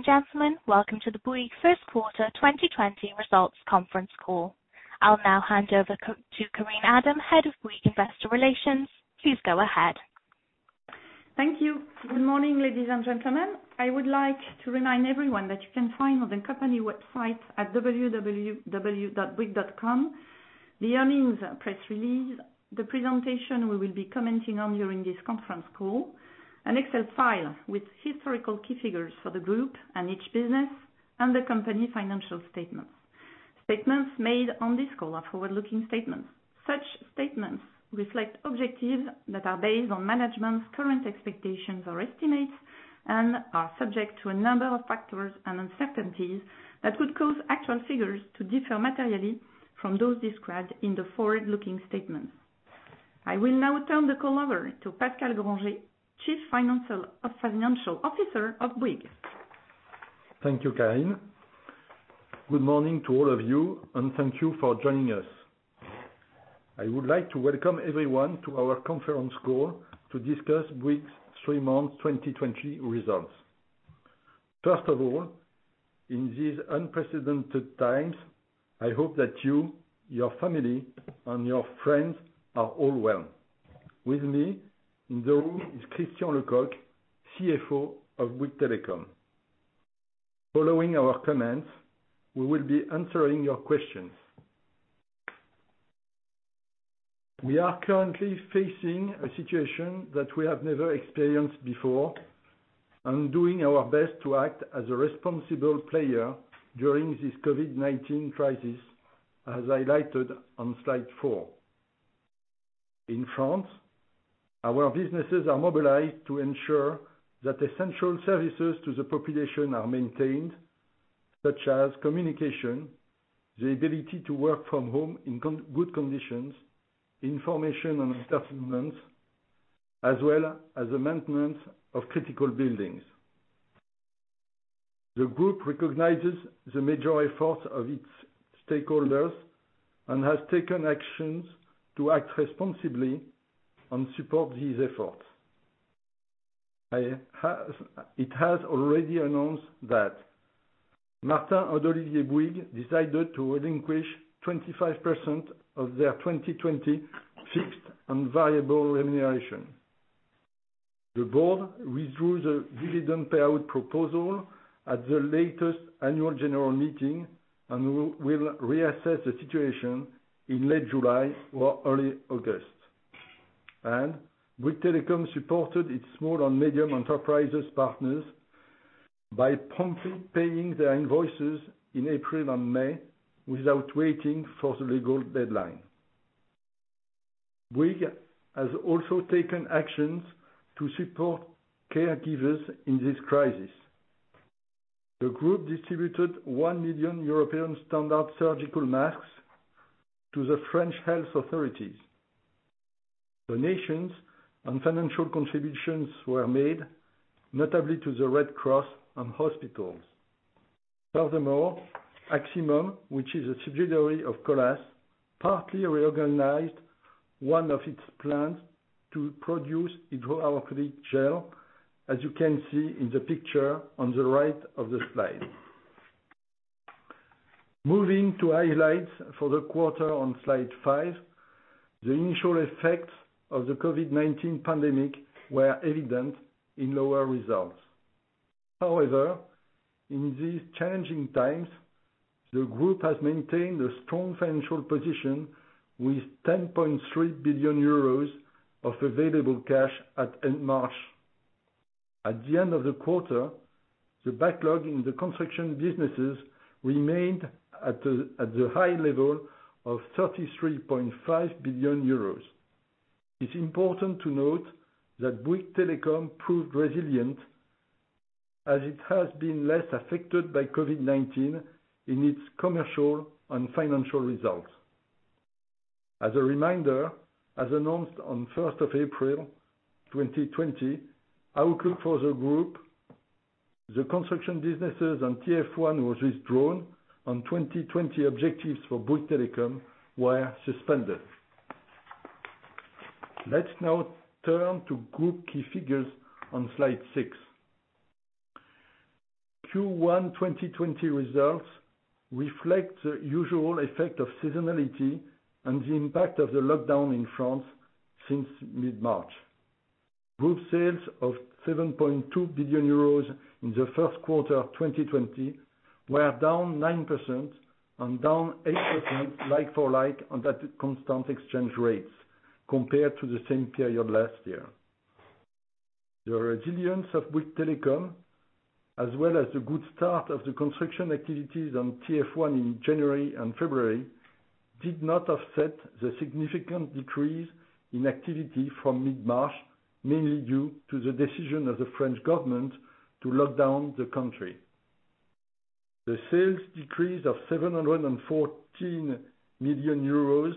Ladies and gentlemen, welcome to the Bouygues first quarter 2020 results conference call. I'll now hand over to Karine Adam, Head of Bouygues Investor Relations. Please go ahead. Thank you. Good morning, ladies and gentlemen. I would like to remind everyone that you can find on the company website at www.bouygues.com, the earnings press release, the presentation we will be commenting on during this conference call, an Excel file with historical key figures for the group and each business, and the company financial statements. Statements made on this call are forward-looking statements. Such statements reflect objectives that are based on management's current expectations or estimates and are subject to a number of factors and uncertainties that could cause actual figures to differ materially from those described in the forward-looking statements. I will now turn the call over to Pascal Grangé, Chief Financial Officer of Bouygues. Thank you, Karine. Good morning to all of you, and thank you for joining us. I would like to welcome everyone to our conference call to discuss Bouygues' three-month 2020 results. First of all, in these unprecedented times, I hope that you, your family, and your friends are all well. With me in the room is Christian Lecoq, CFO of Bouygues Telecom. Following our comments, we will be answering your questions. We are currently facing a situation that we have never experienced before and doing our best to act as a responsible player during this COVID-19 crisis, as highlighted on slide four. In France, our businesses are mobilized to ensure that essential services to the population are maintained, such as communication, the ability to work from home in good conditions, information and entertainment, as well as the maintenance of critical buildings. The group recognizes the major efforts of its stakeholders and has taken actions to act responsibly and support these efforts. It has already announced that Martin and Olivier Bouygues decided to relinquish 25% of their 2020 fixed and variable remuneration. The board withdrew the dividend payout proposal at the latest annual general meeting and will reassess the situation in late July or early August. Bouygues Telecom supported its small and medium enterprises partners by promptly paying their invoices in April and May without waiting for the legal deadline. Bouygues has also taken actions to support caregivers in this crisis. The group distributed 1 million European standard surgical masks to the French health authorities. Donations and financial contributions were made, notably to the Red Cross and hospitals. Furthermore, Aximum, which is a subsidiary of Colas, partly reorganized one of its plants to produce hydroalcoholic gel, as you can see in the picture on the right of the slide. Moving to highlights for the quarter on slide five. The initial effects of the COVID-19 pandemic were evident in lower results. However, in these challenging times, the group has maintained a strong financial position with 10.3 million euros of available cash at end March. At the end of the quarter, the backlog in the construction businesses remained at the high level of 33.5 million euros. It's important to note that Bouygues Telecom proved resilient as it has been less affected by COVID-19 in its commercial and financial results. As a reminder, as announced on first of April 2020, outlook for the group, the construction businesses and TF1 was withdrawn, and 2020 objectives for Bouygues Telecom were suspended. Let's now turn to group key figures on slide six. Q1 2020 results reflect the usual effect of seasonality and the impact of the lockdown in France since mid-March. Group sales of 7.2 billion euros in the first quarter of 2020 were down 9% and down 8% like-for-like at constant exchange rates compared to the same period last year. The resilience of Bouygues Telecom, as well as the good start of the construction activities and TF1 in January and February, did not offset the significant decrease in activity from mid-March, mainly due to the decision of the French government to lock down the country. The sales decrease of 714 million euros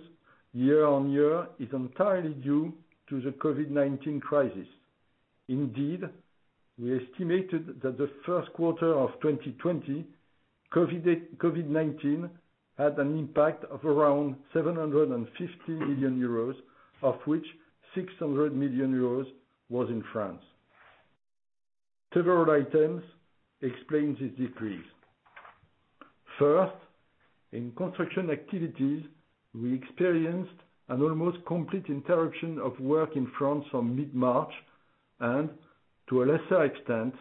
year-over-year is entirely due to the COVID-19 crisis. Indeed, we estimated that COVID-19 had an impact of around 750 million euros, of which 600 million euros was in France. Several items explain this decrease. First, in construction activities, we experienced an almost complete interruption of work in France from mid-March, and to a lesser extent,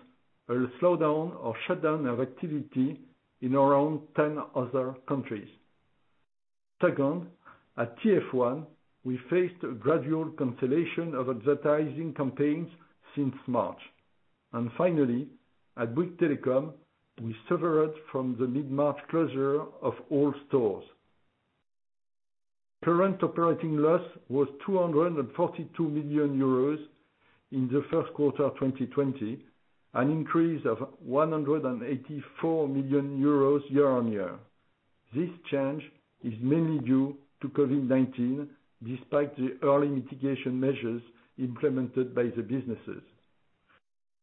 a slowdown or shutdown of activity in around 10 other countries. Second, at TF1, we faced a gradual cancellation of advertising campaigns since March. Finally, at Bouygues Telecom, we suffered from the mid-March closure of all stores. Current operating loss was 242 million euros in the first quarter of 2020, an increase of 184 million euros year-on-year. This change is mainly due to COVID-19, despite the early mitigation measures implemented by the businesses.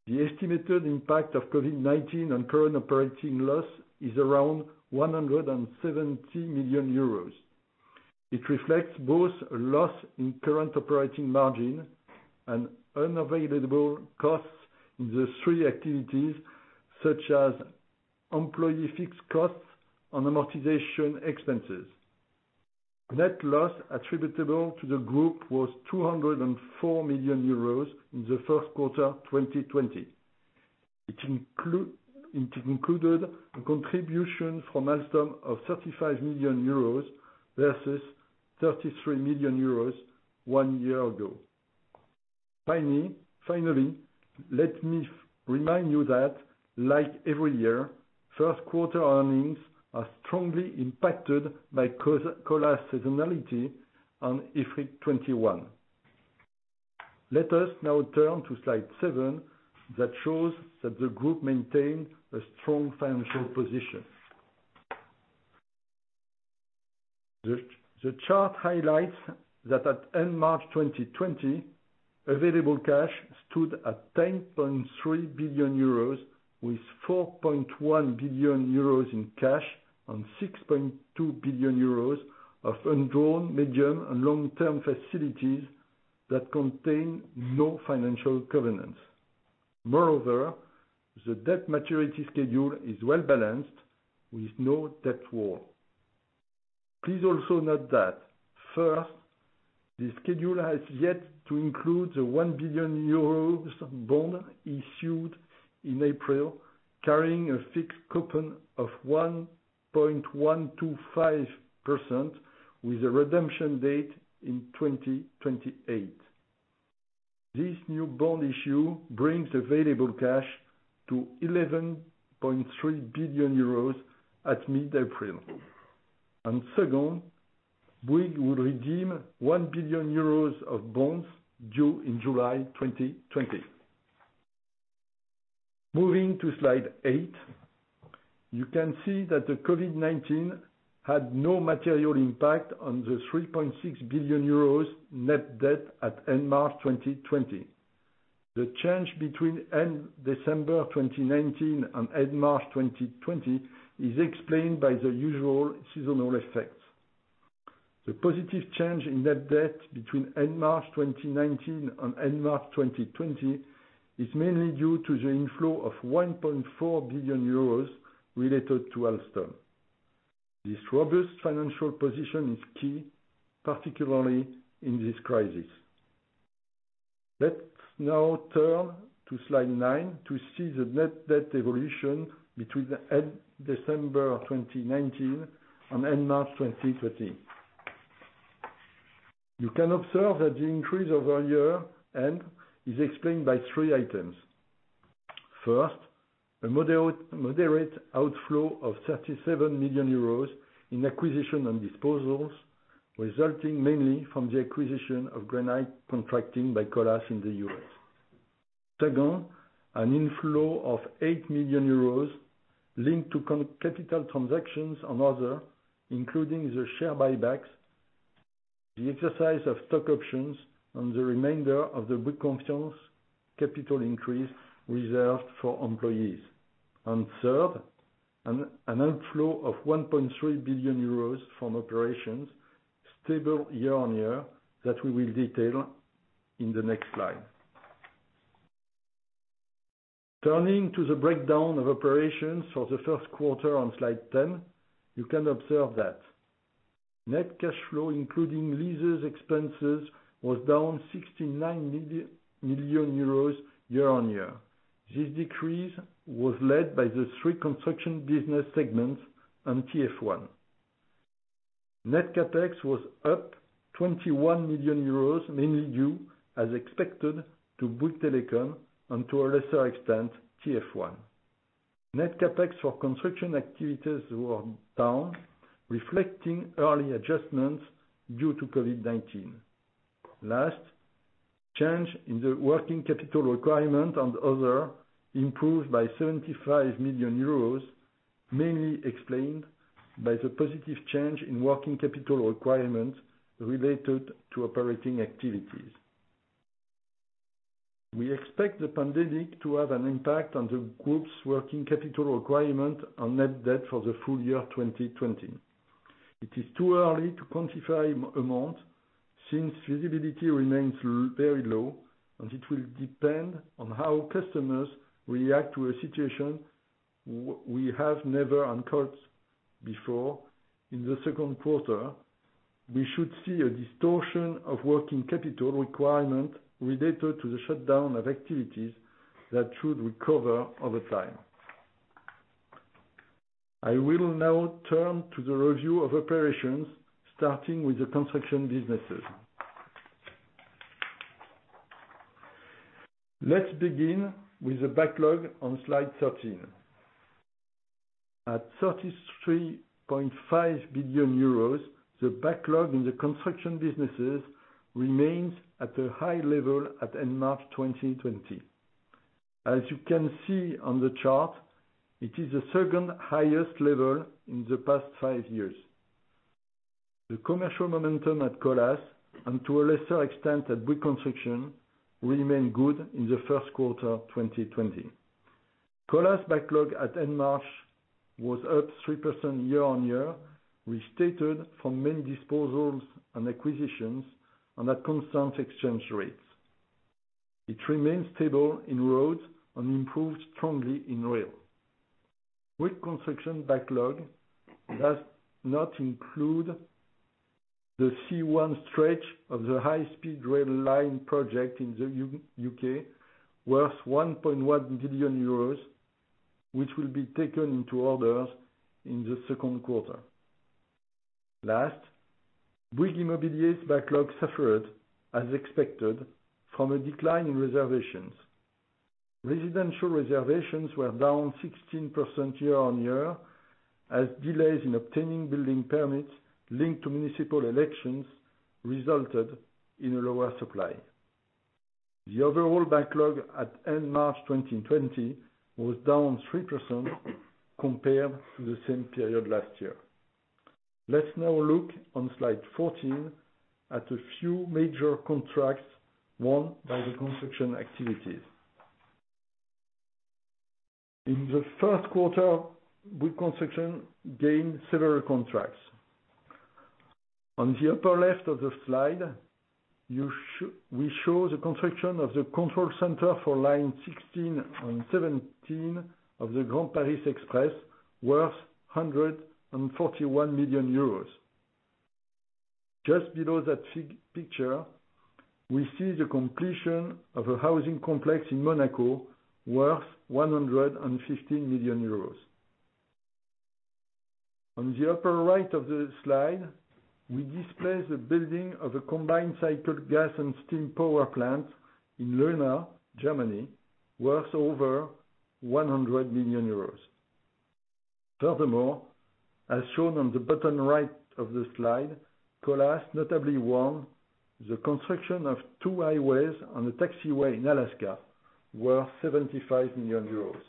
The estimated impact of COVID-19 on current operating loss is around 170 million euros. It reflects both a loss in current operating margin and unavailable costs in the three activities, such as employee fixed costs and amortization expenses. Net loss attributable to the group was 204 million euros in the first quarter 2020. It included a contribution from Alstom of 35 million euros versus 33 million euros one year ago. Finally, let me remind you that like every year, first quarter earnings are strongly impacted by Colas seasonality and IFRIC 21. Let us now turn to slide seven that shows that the group maintained a strong financial position. The chart highlights that at end March 2020, available cash stood at 10.3 billion euros, with 4.1 billion euros in cash, and 6.2 billion euros of undrawn medium and long-term facilities that contain no financial covenants. Moreover, the debt maturity schedule is well-balanced with no debt wall. Please also note that, first, the schedule has yet to include the 1 billion euros bond issued in April, carrying a fixed coupon of 1.125% with a redemption date in 2028. This new bond issue brings available cash to 11.3 billion euros at mid-April. Second, Bouygues will redeem 1 billion euros of bonds due in July 2020. Moving to slide eight, you can see that the COVID-19 had no material impact on the 3.6 billion euros net debt at end March 2020. The change between end December 2019 and end March 2020 is explained by the usual seasonal effects. The positive change in net debt between end March 2019 and end March 2020 is mainly due to the inflow of 1.4 billion euros related to Alstom. This robust financial position is key, particularly in this crisis. Let's now turn to slide nine to see the net debt evolution between end December 2019 and end March 2020. You can observe that the increase over year end is explained by three items. First, a moderate outflow of 37 million euros in acquisition and disposals, resulting mainly from the acquisition of Granite Contracting by Colas in the U.S. Second, an inflow of 8 million euros linked to capital transactions and other, including the share buybacks, the exercise of stock options, and the remainder of the Bouygues Construction capital increase reserved for employees. Third, an outflow of 1.3 billion euros from operations stable year-on-year that we will detail in the next slide. Turning to the breakdown of operations for the first quarter on slide 10, you can observe that net cash flow, including leases expenses, was down 69 million euros year-on-year. This decrease was led by the three construction business segments and TF1. Net CapEx was up 21 million euros, mainly due, as expected, to Bouygues Telecom and to a lesser extent, TF1. Net CapEx for construction activities were down, reflecting early adjustments due to COVID-19. Change in the working capital requirement and other improved by 75 million euros, mainly explained by the positive change in working capital requirement related to operating activities. We expect the pandemic to have an impact on the group's working capital requirement and net debt for the full year 2020. It is too early to quantify amount, since visibility remains very low, and it will depend on how customers react to a situation we have never encountered before. In the second quarter, we should see a distortion of working capital requirement related to the shutdown of activities that should recover over time. I will now turn to the review of operations, starting with the construction businesses. Let's begin with the backlog on slide 13. At 33.5 billion euros, the backlog in the construction businesses remains at a high level at end March 2020. As you can see on the chart, it is the second highest level in the past five years. The commercial momentum at Colas, and to a lesser extent at Bouygues Construction, remained good in the first quarter 2020. Colas backlog at end March was up 3% year-on-year, restated from many disposals and acquisitions, and at constant exchange rates. It remains stable in roads and improved strongly in rail. Bouygues Construction backlog does not include the C1 stretch of the high-speed rail line project in the U.K., worth 1.1 billion euros, which will be taken into orders in the second quarter. Last, Bouygues Immobilier's backlog suffered, as expected, from a decline in reservations. Residential reservations were down 16% year-on-year, as delays in obtaining building permits linked to municipal elections resulted in a lower supply. The overall backlog at end March 2020 was down 3% compared to the same period last year. Let's now look on slide 14 at a few major contracts won by the construction activities. In the first quarter, Bouygues Construction gained several contracts. On the upper left of the slide, we show the construction of the control center for line 16 and 17 of the Grand Paris Express, worth 141 million euros. Just below that picture, we see the completion of a housing complex in Monaco, worth 115 million euros. On the upper right of the slide, we display the building of a combined cycle gas and steam power plant in Leuna, Germany, worth over 100 million euros. As shown on the bottom right of the slide, Colas notably won the construction of two highways and a taxiway in Alaska, worth 75 million euros.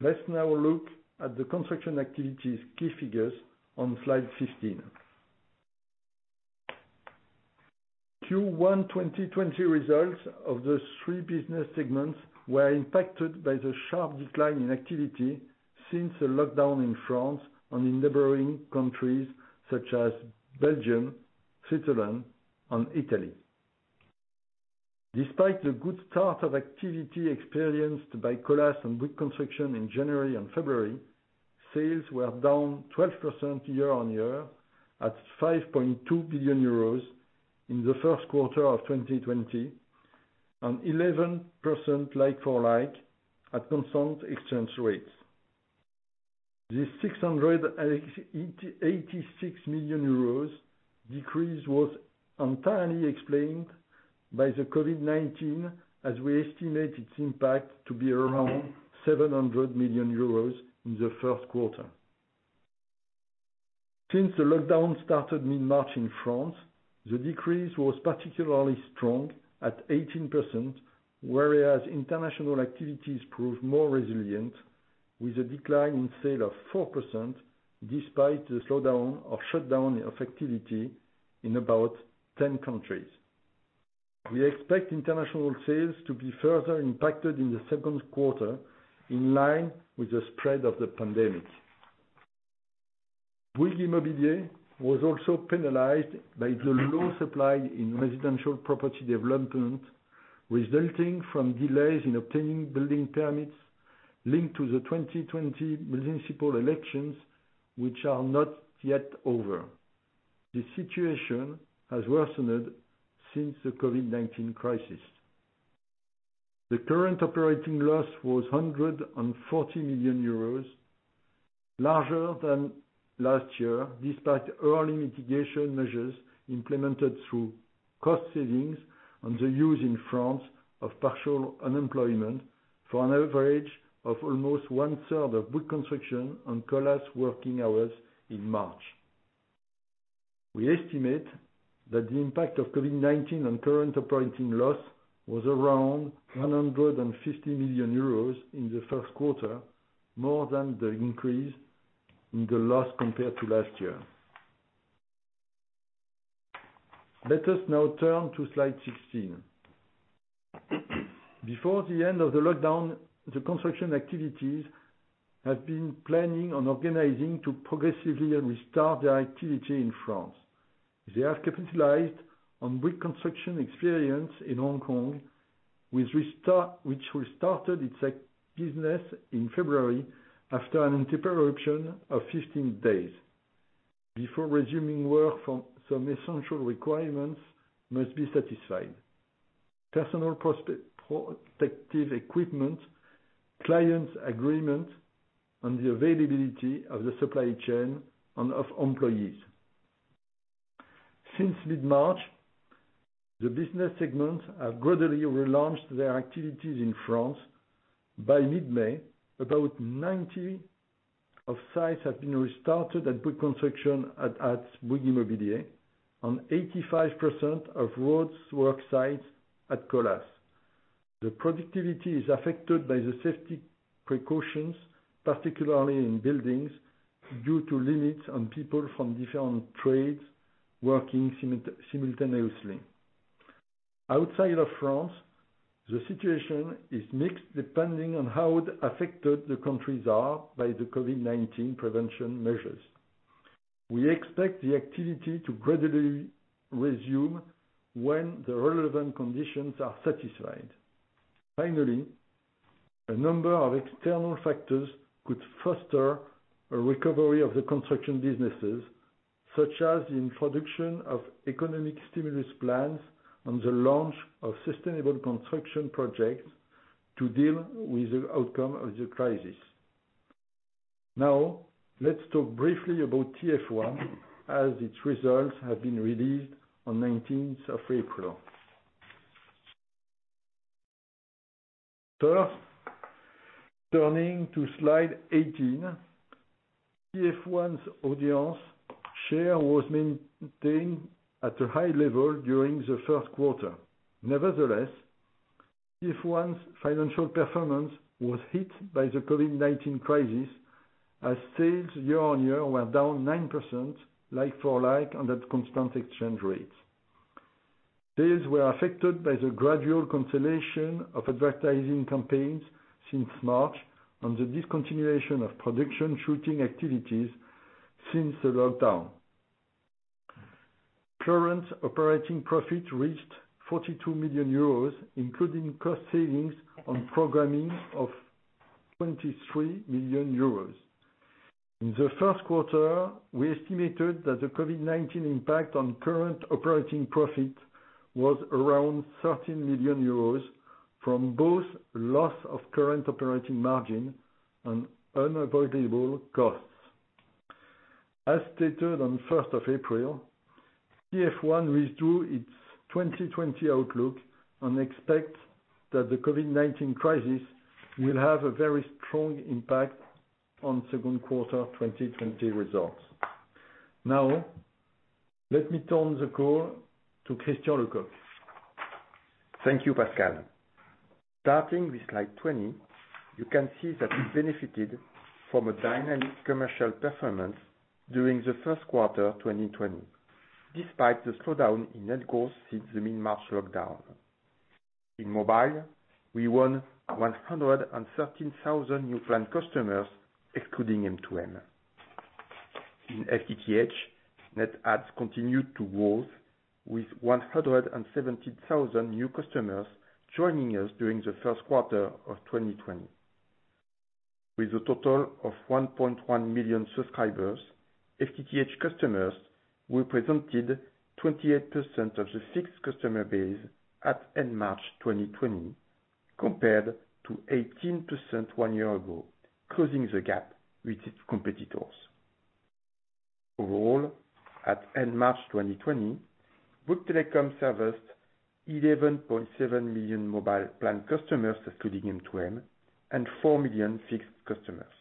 Let's now look at the construction activities' key figures on slide 15. Q1 2020 results of the three business segments were impacted by the sharp decline in activity since the lockdown in France and in neighboring countries such as Belgium, Switzerland, and Italy. Despite the good start of activity experienced by Colas and Bouygues Construction in January and February, sales were down 12% year-on-year at 5.2 billion euros in the first quarter of 2020, and 11% like-for-like at constant exchange rates. This 686 million euros decrease was entirely explained by the COVID-19 as we estimate its impact to be around 700 million euros in the first quarter. Since the lockdown started mid-March in France, the decrease was particularly strong at 18%, whereas international activities proved more resilient, with a decline in sale of 4%, despite the slowdown or shutdown of activity in about 10 countries. We expect international sales to be further impacted in the second quarter, in line with the spread of the pandemic. Bouygues Immobilier was also penalized by the low supply in residential property development, resulting from delays in obtaining building permits linked to the 2020 municipal elections, which are not yet over. The situation has worsened since the COVID-19 crisis. The current operating loss was €140 million, larger than last year, despite early mitigation measures implemented through cost savings and the use in France of partial unemployment for an average of almost 1/3 of Bouygues Construction and Colas working hours in March. We estimate that the impact of COVID-19 on current operating loss was around €150 million in the first quarter, more than the increase in the loss compared to last year. Let us now turn to slide 16. Before the end of the lockdown, the construction activities have been planning on organizing to progressively restart their activity in France. They have capitalized on reconstruction experience in Hong Kong, which restarted its business in February after an interruption of 15 days. Before resuming work, some essential requirements must be satisfied. Personal protective equipment, clients agreement, and the availability of the supply chain and of employees. Since mid-March, the business segments have gradually relaunched their activities in France. By mid-May, about 90% of sites have been restarted at Bouygues Construction and Bouygues Immobilier, and 85% of roads work sites at Colas. The productivity is affected by the safety precautions, particularly in buildings, due to limits on people from different trades working simultaneously. Outside of France, the situation is mixed, depending on how affected the countries are by the COVID-19 prevention measures. We expect the activity to gradually resume when the relevant conditions are satisfied. A number of external factors could foster a recovery of the construction businesses, such as the introduction of economic stimulus plans and the launch of sustainable construction projects to deal with the outcome of the crisis. Let's talk briefly about TF1, as its results have been released on 19th of April. Turning to slide 18, TF1's audience share was maintained at a high level during the first quarter. TF1's financial performance was hit by the COVID-19 crisis, as sales year-over-year were down 9%, like-for-like and at constant exchange rates. Sales were affected by the gradual cancellation of advertising campaigns since March and the discontinuation of production shooting activities since the lockdown. Current operating profit reached 42 million euros, including cost savings on programming of 23 million euros. In the first quarter, we estimated that the COVID-19 impact on current operating profit was around 13 million euros from both loss of current operating margin and unavoidable costs. As stated on the first of April, TF1 withdrew its 2020 outlook and expect that the COVID-19 crisis will have a very strong impact on second quarter 2020 results. Let me turn the call to Christian Lecoq. Thank you, Pascal. Starting with slide 20, you can see that we benefited from a dynamic commercial performance during the first quarter 2020, despite the slowdown in net growth since the mid-March lockdown. In mobile, we won 113,000 new plan customers, excluding M2M. In FTTH, net adds continued to grow, with 117,000 new customers joining us during the first quarter of 2020. With a total of 1.1 million subscribers, FTTH customers represented 28% of the fixed customer base at end March 2020, compared to 18% one year ago, closing the gap with its competitors. Overall, at end March 2020, Bouygues Telecom serviced 11.7 million mobile plan customers, excluding M2M, and 4 million fixed customers.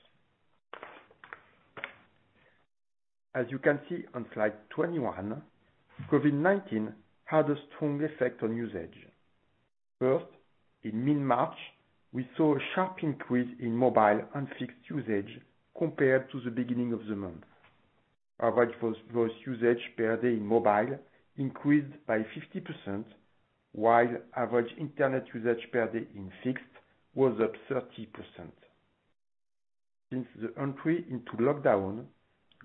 As you can see on slide 21, COVID-19 had a strong effect on usage. First, in mid-March, we saw a sharp increase in mobile and fixed usage compared to the beginning of the month. Average voice usage per day in mobile increased by 50%, while average internet usage per day in fixed was up 30%. Since the entry into lockdown,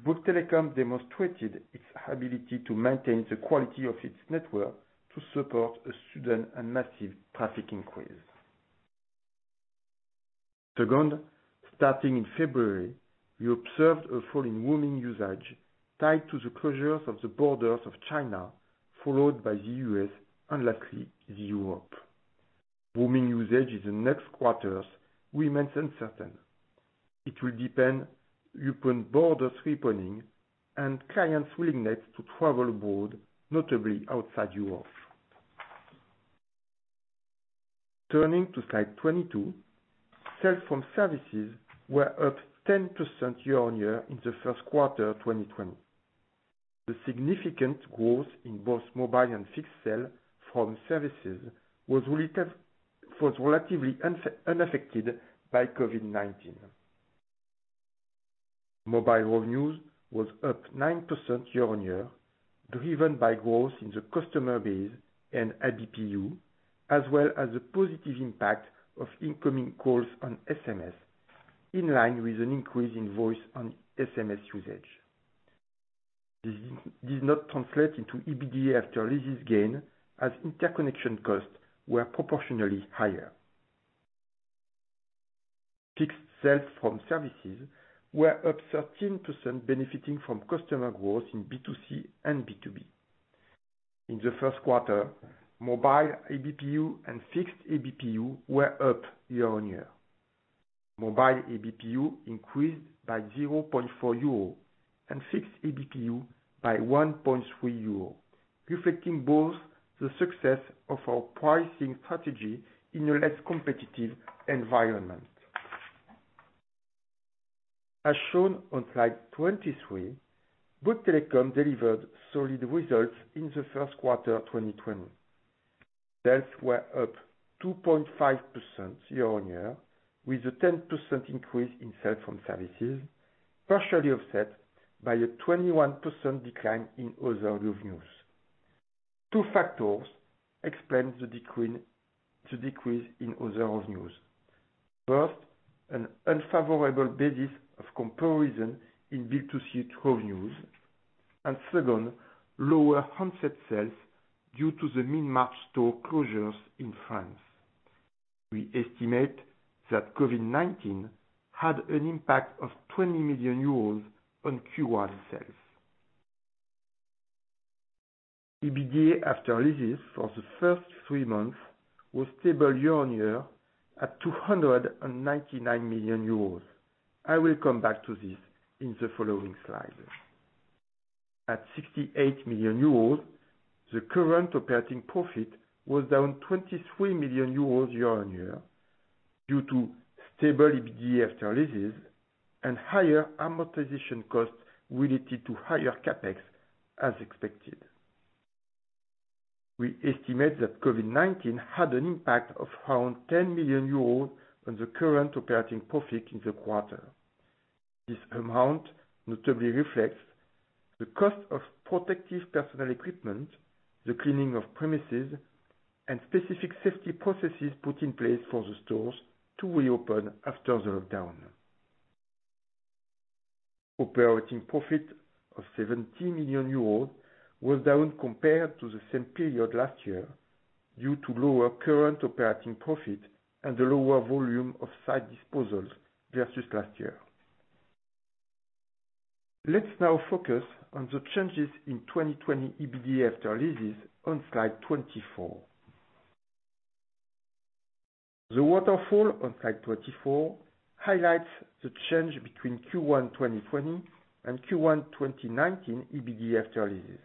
Bouygues Telecom demonstrated its ability to maintain the quality of its network to support a sudden and massive traffic increase. Second, starting in February, we observed a fall in roaming usage tied to the closures of the borders of China, followed by the U.S., and lastly, Europe. Roaming usage in the next quarters remains uncertain. It will depend upon borders reopening and clients' willingness to travel abroad, notably outside Europe. Turning to slide 22, sales from services were up 10% year-on-year in the first quarter 2020. The significant growth in both mobile and fixed sales from services was relatively unaffected by COVID-19. Mobile revenues was up 9% year-on-year, driven by growth in the customer base and ABPU, as well as the positive impact of incoming calls and SMS, in line with an increase in voice and SMS usage. This did not translate into EBITDA after leases gain, as interconnection costs were proportionally higher. Fixed sales from services were up 13%, benefiting from customer growth in B2C and B2B. In the first quarter, mobile ABPU and fixed ABPU were up year-on-year. Mobile ABPU increased by 0.4 euro and fixed ABPU by 1.3 euro, reflecting both the success of our pricing strategy in a less competitive environment. As shown on slide 23, Bouygues Telecom delivered solid results in the first quarter 2020. Sales were up 2.5% year-on-year, with a 10% increase in sales from services, partially offset by a 21% decline in other revenues. Two factors explain the decrease in other revenues. First, an unfavorable basis of comparison in B2C revenues, and second, lower handset sales due to the mid-March store closures in France. We estimate that COVID-19 had an impact of 20 million euros on Q1 sales. EBITDA after leases for the first three months was stable year-on-year at 299 million euros. I will come back to this in the following slides. At 68 million euros, the current operating profit was down 23 million euros year-on-year due to stable EBITDA after leases and higher amortization costs related to higher CapEx, as expected. We estimate that COVID-19 had an impact of around 10 million euros on the current operating profit in the quarter. This amount notably reflects the cost of protective personal equipment, the cleaning of premises, and specific safety processes put in place for the stores to reopen after the lockdown. Operating profit of 70 million euros was down compared to the same period last year due to lower current operating profit and a lower volume of site disposals versus last year. Let's now focus on the changes in 2020 EBITDA after leases on slide 24. The waterfall on slide 24 highlights the change between Q1 2020 and Q1 2019 EBITDA after leases.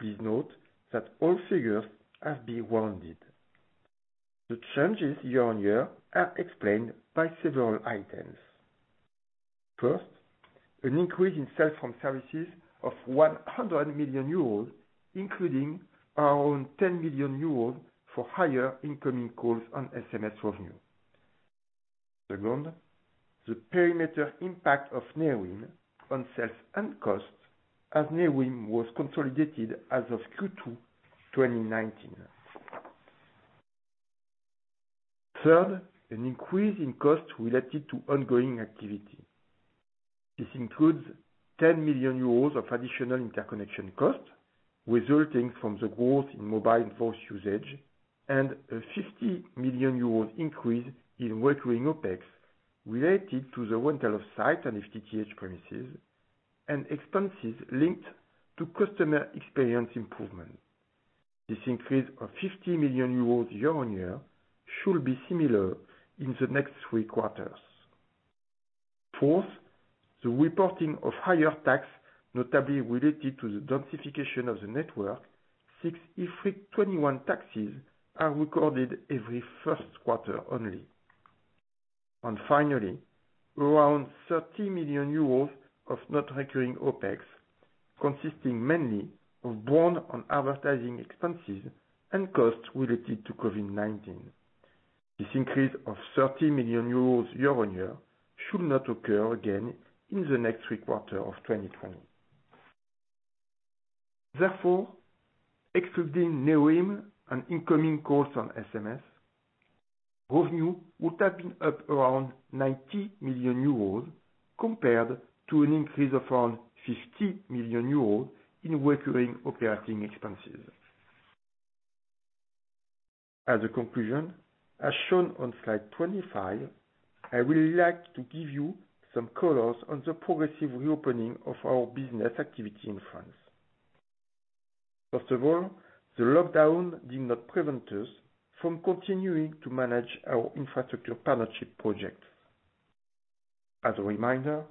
Please note that all figures have been rounded. The changes year-on-year are explained by several items. First, an increase in sales from services of 100 million euros, including around 10 million euros for higher incoming calls and SMS revenue. Second, the perimeter impact of Nerim on sales and costs, as Nerim was consolidated as of Q2 2019. Third, an increase in costs related to ongoing activity. This includes 10 million euros of additional interconnection costs resulting from the growth in mobile voice usage and a 50 million euros increase in recurring OPEX related to the rental of site and FTTH premises and expenses linked to customer experience improvement. This increase of 50 million euros year-on-year should be similar in the next three quarters. Fourth, the reporting of higher tax, notably related to the densification of the network, since IFRIC 21 taxes are recorded every first quarter only. Finally, around 30 million euros of non-recurring OPEX, consisting mainly of brand advertising expenses and costs related to COVID-19. This increase of 30 million euros year-on-year should not occur again in the next three quarters of 2020. Therefore, excluding Nerim and incoming calls on SMS, revenue would have been up around 90 million euros compared to an increase of around 50 million euros in recurring operating expenses. As a conclusion, as shown on slide 25, I would like to give you some colors on the progressive reopening of our business activity in France. First of all, the lockdown did not prevent us from continuing to manage our infrastructure partnership projects. As a reminder,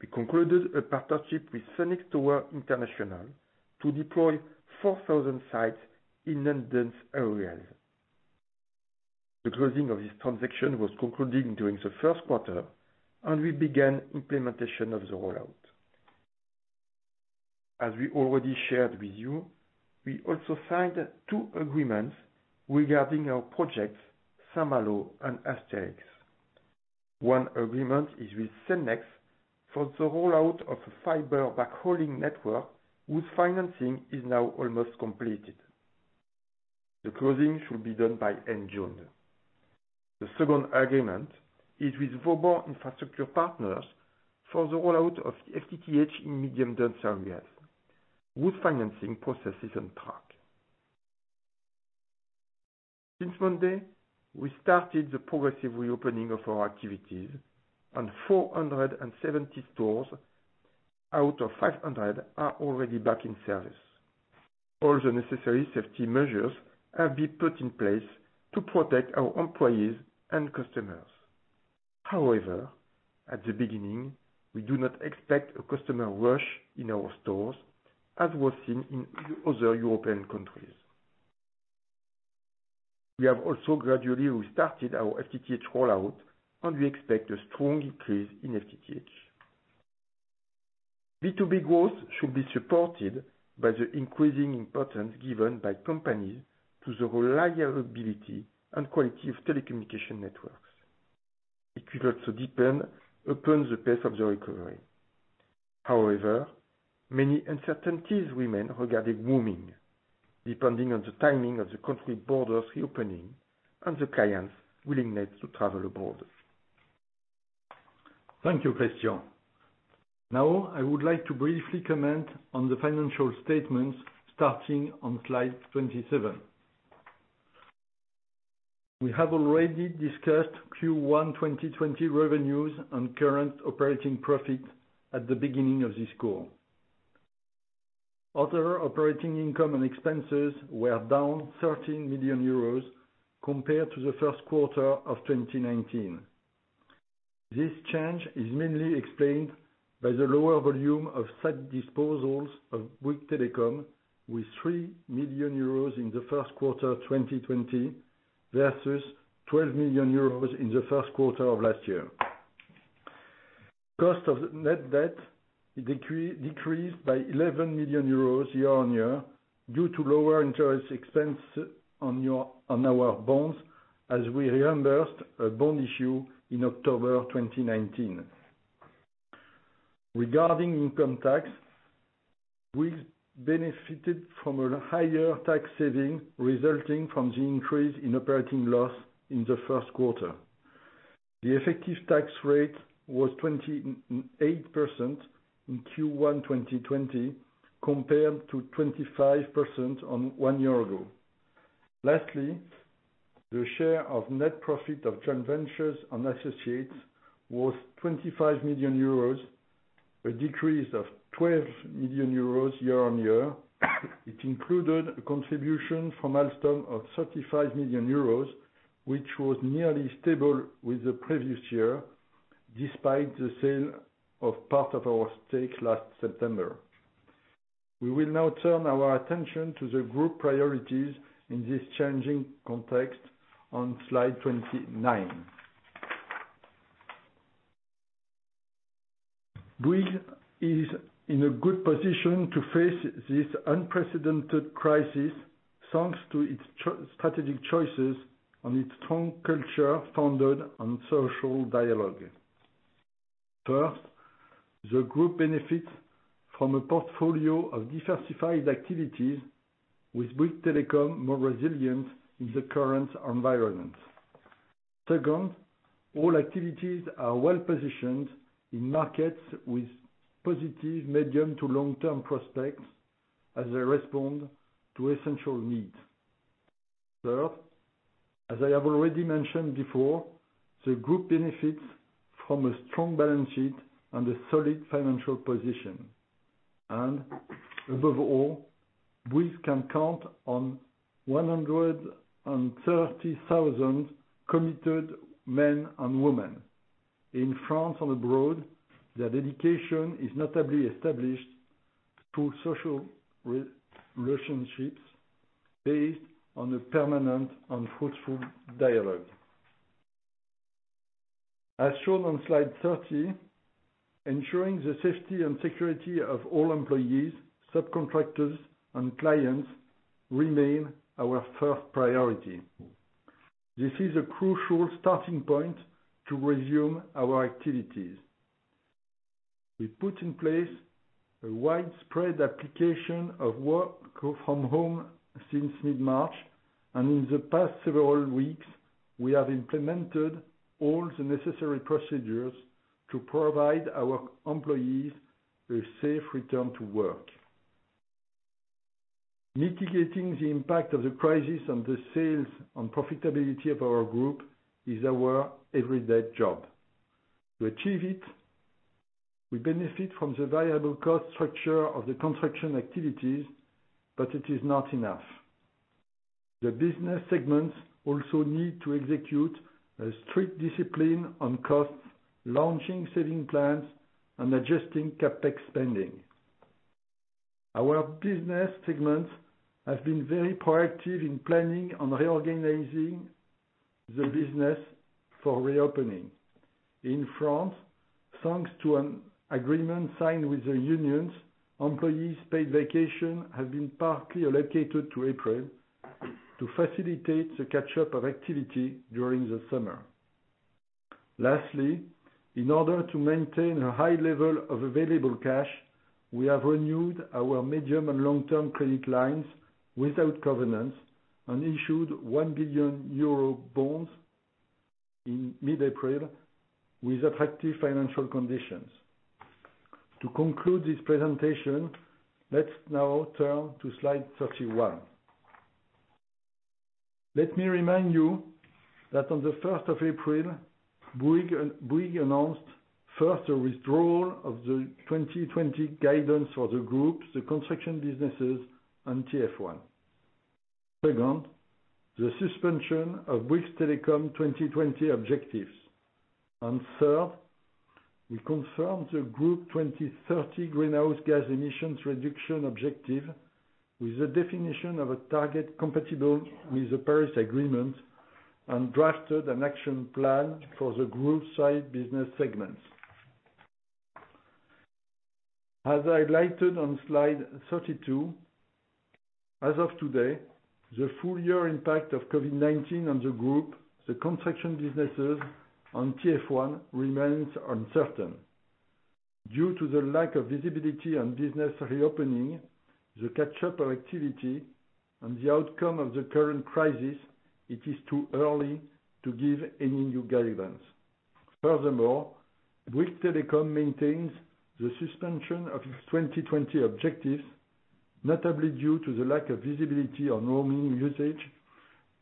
we concluded a partnership with Cellnex Tower International to deploy 4,000 sites in dense areas. The closing of this transaction was concluded during the first quarter, and we began implementation of the rollout. As we already shared with you, we also signed two agreements regarding our projects, Saint-Malo and Asterix. One agreement is with Cellnex for the rollout of a fiber backhauling network whose financing is now almost completed. The closing should be done by end June. The second agreement is with Vauban Infrastructure Partners for the rollout of FTTH in medium-density areas whose financing process is on track. Since Monday, we started the progressive reopening of our activities and 470 stores out of 500 are already back in service. All the necessary safety measures have been put in place to protect our employees and customers. However, at the beginning, we do not expect a customer rush in our stores as was seen in other European countries. We have also gradually restarted our FTTH rollout, and we expect a strong increase in FTTH. B2B growth should be supported by the increasing importance given by companies to the reliability and quality of telecommunication networks. It will also depend upon the pace of the recovery. However, many uncertainties remain regarding roaming, depending on the timing of the country borders reopening and the clients' willingness to travel abroad. Thank you, Christian. I would like to briefly comment on the financial statements starting on slide 27. We have already discussed Q1 2020 revenues and current operating profit at the beginning of this call. Other operating income and expenses were down 13 million euros compared to the first quarter of 2019. This change is mainly explained by the lower volume of site disposals of Bouygues Telecom, with 3 million euros in the first quarter of 2020 versus 12 million euros in the first quarter of last year. Cost of net debt decreased by 11 million euros year-on-year due to lower interest expense on our bonds as we reimbursed a bond issue in October 2019. Regarding income tax, we benefited from a higher tax saving resulting from the increase in operating loss in the first quarter. The effective tax rate was 28% in Q1 2020 compared to 25% on one year ago. Lastly, the share of net profit of joint ventures and associates was 25 million euros, a decrease of 12 million euros year-on-year. It included a contribution from Alstom of 35 million euros, which was nearly stable with the previous year, despite the sale of part of our stake last September. We will now turn our attention to the group priorities in this changing context on slide 29. Bouygues is in a good position to face this unprecedented crisis, thanks to its strategic choices and its strong culture founded on social dialogue. First, the group benefits from a portfolio of diversified activities with Bouygues Telecom more resilient in the current environment. Second, all activities are well-positioned in markets with positive medium to long-term prospects as they respond to essential needs. Third, as I have already mentioned before, the group benefits from a strong balance sheet and a solid financial position. Above all, Bouygues can count on 130,000 committed men and women. In France and abroad, their dedication is notably established through social relationships based on a permanent and fruitful dialogue. As shown on slide 30, ensuring the safety and security of all employees, subcontractors, and clients remain our first priority. This is a crucial starting point to resume our activities. We put in place a widespread application of work from home since mid-March, and in the past several weeks, we have implemented all the necessary procedures to provide our employees a safe return to work. Mitigating the impact of the crisis on the sales and profitability of our group is our everyday job. To achieve it, we benefit from the variable cost structure of the construction activities, but it is not enough. The business segments also need to execute a strict discipline on costs, launching saving plans, and adjusting CapEx spending. Our business segments have been very proactive in planning and reorganizing the business for reopening. In France, thanks to an agreement signed with the unions, employees' paid vacation has been partly allocated to April to facilitate the catch-up of activity during the summer. Lastly, in order to maintain a high level of available cash, we have renewed our medium and long-term credit lines without covenants and issued 1 billion euro bonds in mid-April with attractive financial conditions. To conclude this presentation, let's now turn to slide 31. Let me remind you that on the first of April, Bouygues announced, first, a withdrawal of the 2020 guidance for the groups, the construction businesses, and TF1. Second, the suspension of Bouygues Telecom 2020 objectives. Third, we confirmed the group 2030 greenhouse gas emissions reduction objective with the definition of a target compatible with the Paris Agreement and drafted an action plan for the group's five business segments. As highlighted on slide 32, as of today, the full year impact of COVID-19 on the group, the construction businesses, and TF1 remains uncertain. Due to the lack of visibility on business reopening, the catch-up of activity, and the outcome of the current crisis, it is too early to give any new guidance. Furthermore, Bouygues Telecom maintains the suspension of its 2020 objectives, notably due to the lack of visibility on roaming usage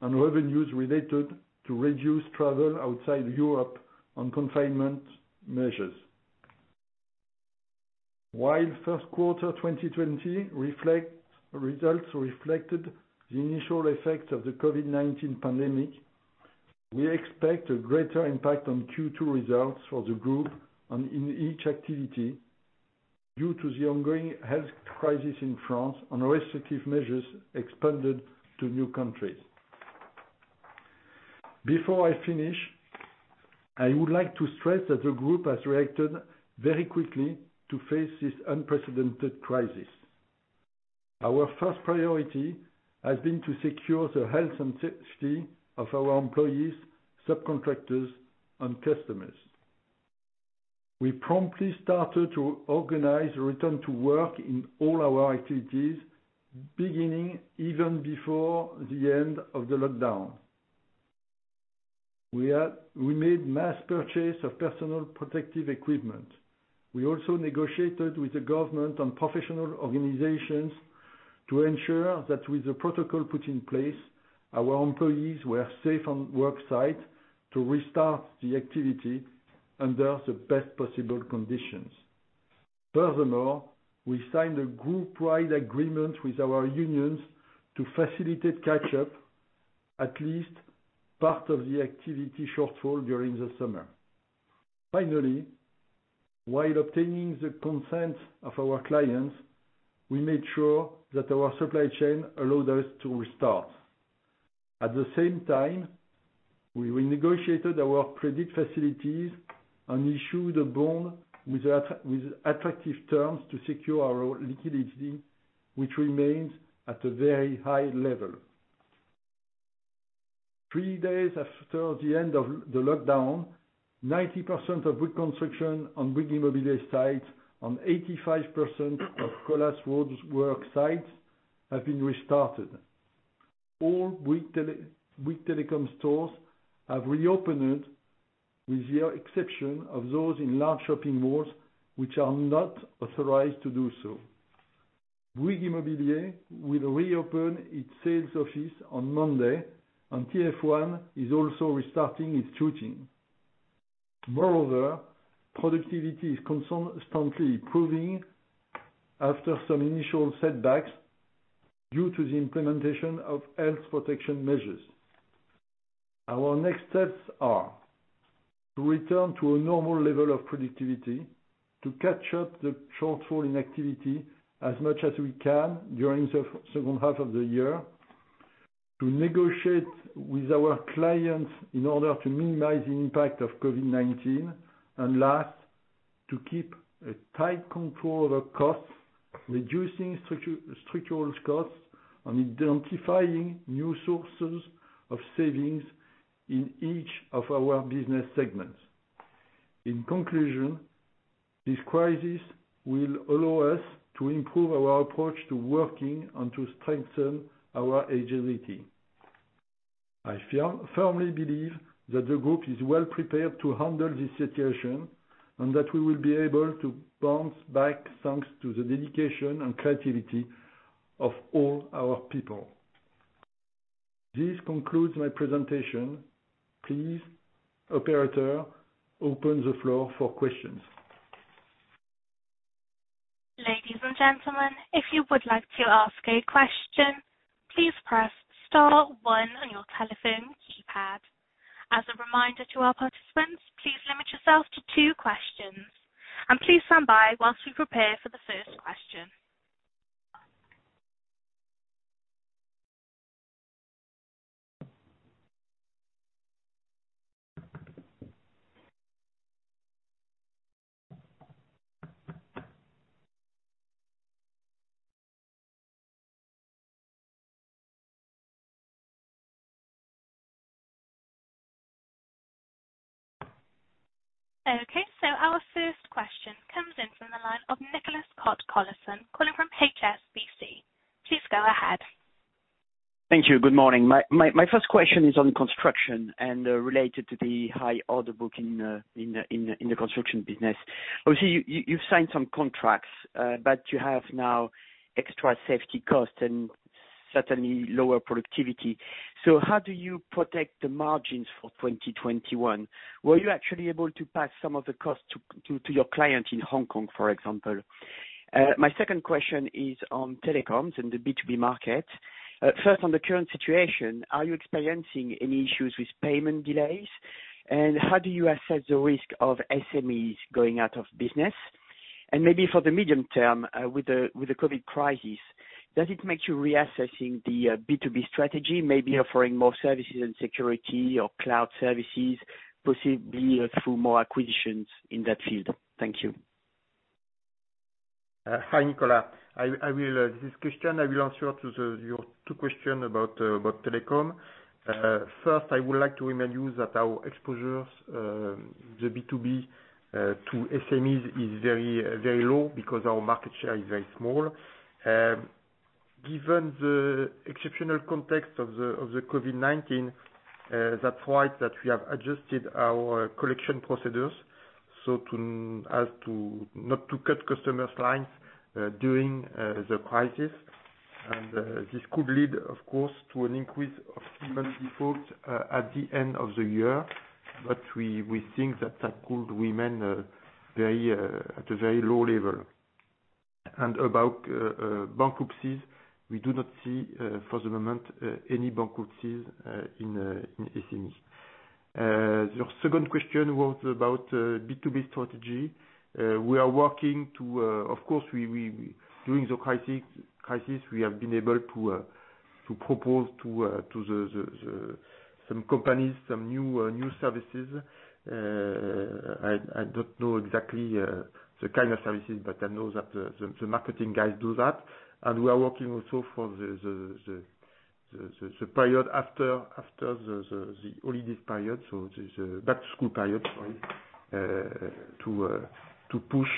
and revenues related to reduced travel outside Europe on confinement measures. While first quarter 2020 results reflected the initial effects of the COVID-19 pandemic, we expect a greater impact on Q2 results for the group and in each activity due to the ongoing health crisis in France and restrictive measures expanded to new countries. Before I finish, I would like to stress that the group has reacted very quickly to face this unprecedented crisis. Our first priority has been to secure the health and safety of our employees, subcontractors, and customers. We promptly started to organize a return to work in all our activities, beginning even before the end of the lockdown. We made mass purchase of personal protective equipment. We also negotiated with the government and professional organizations to ensure that with the protocol put in place, our employees were safe on work site to restart the activity under the best possible conditions. Furthermore, we signed a group wide agreement with our unions to facilitate catch-up at least part of the activity shortfall during the summer. Finally, while obtaining the consent of our clients, we made sure that our supply chain allowed us to restart. At the same time, we renegotiated our credit facilities and issued a bond with attractive terms to secure our liquidity, which remains at a very high level. Three days after the end of the lockdown, 90% of Bouygues Construction on Bouygues Immobilier sites and 85% of Colas roads work sites have been restarted. All Bouygues Telecom stores have reopened with the exception of those in large shopping malls, which are not authorized to do so. Bouygues Immobilier will reopen its sales office on Monday, and TF1 is also restarting its shooting. Moreover, productivity is constantly improving after some initial setbacks due to the implementation of health protection measures. Our next steps are to return to a normal level of productivity, to catch up the shortfall in activity as much as we can during the second half of the year, to negotiate with our clients in order to minimize the impact of COVID-19, and last, to keep a tight control of our costs, reducing structural costs, and identifying new sources of savings in each of our business segments. In conclusion, this crisis will allow us to improve our approach to working and to strengthen our agility. I firmly believe that the group is well prepared to handle this situation and that we will be able to bounce back thanks to the dedication and creativity of all our people. This concludes my presentation. Please, operator, open the floor for questions. Ladies and gentlemen, if you would like to ask a question, please press star one on your telephone keypad. As a reminder to our participants, please limit yourself to two questions, and please stand by while we prepare for the first question. Okay. Our first question comes in from the line of Nicolas Cote-Colisson, calling from HSBC. Please go ahead. Thank you. Good morning. My first question is on construction and related to the high order book in the construction business. Obviously, you've signed some contracts, but you have now extra safety costs and certainly lower productivity. How do you protect the margins for 2021? Were you actually able to pass some of the costs to your client in Hong Kong, for example? My second question is on telecoms and the B2B market. First, on the current situation, are you experiencing any issues with payment delays? How do you assess the risk of SMEs going out of business? Maybe for the medium term with the COVID crisis, does it make you reassessing the B2B strategy, maybe offering more services and security or cloud services, possibly through more acquisitions in that field? Thank you. Hi, Nicolas. This is Christian. I will answer your two question about telecom. First, I would like to remind you that our exposure, the B2B to SMEs is very low because our market share is very small. Given the exceptional context of the COVID-19, that's why that we have adjusted our collection procedures, so to as to not to cut customers lines during the crisis. This could lead, of course, to an increase of even default at the end of the year. We think that that could remain at a very low level. About bankruptcies, we do not see, for the moment, any bankruptcies in SMEs. Your second question was about B2B strategy. Of course, during the crisis, we have been able to propose to some companies some new services. I don't know exactly the kind of services, but I know that the marketing guys do that. We are working also for the period after the holidays period, so the back-to-school period, sorry, to push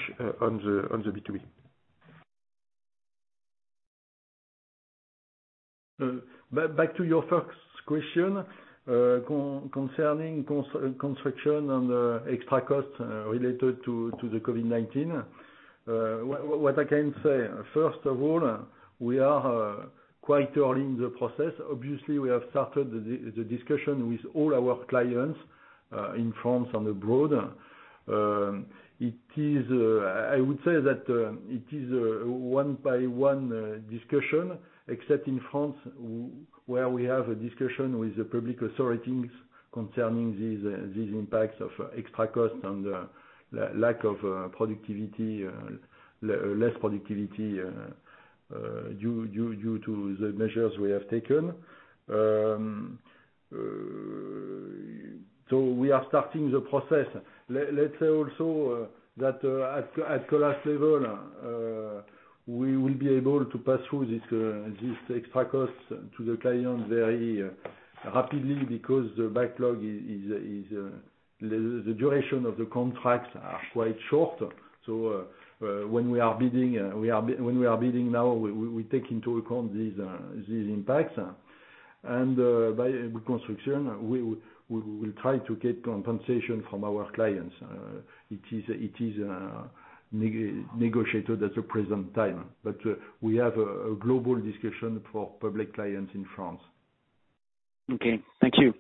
on the B2B. Back to your first question, concerning construction and extra costs related to the COVID-19. What I can say, first of all, we are quite early in the process. Obviously, we have started the discussion with all our clients in France and abroad. I would say that it is a one-by-one discussion, except in France, where we have a discussion with the public authorities concerning these impacts of extra costs and lack of productivity, less productivity due to the measures we have taken. We are starting the process. Let's say also that at Colas level, we will be able to pass through these extra costs to the client very rapidly because the backlog, the duration of the contracts are quite short. When we are bidding now, we take into account these impacts. Bouygues Construction, we will try to get compensation from our clients. It is negotiated at the present time. We have a global discussion for public clients in France. Okay. Thank you.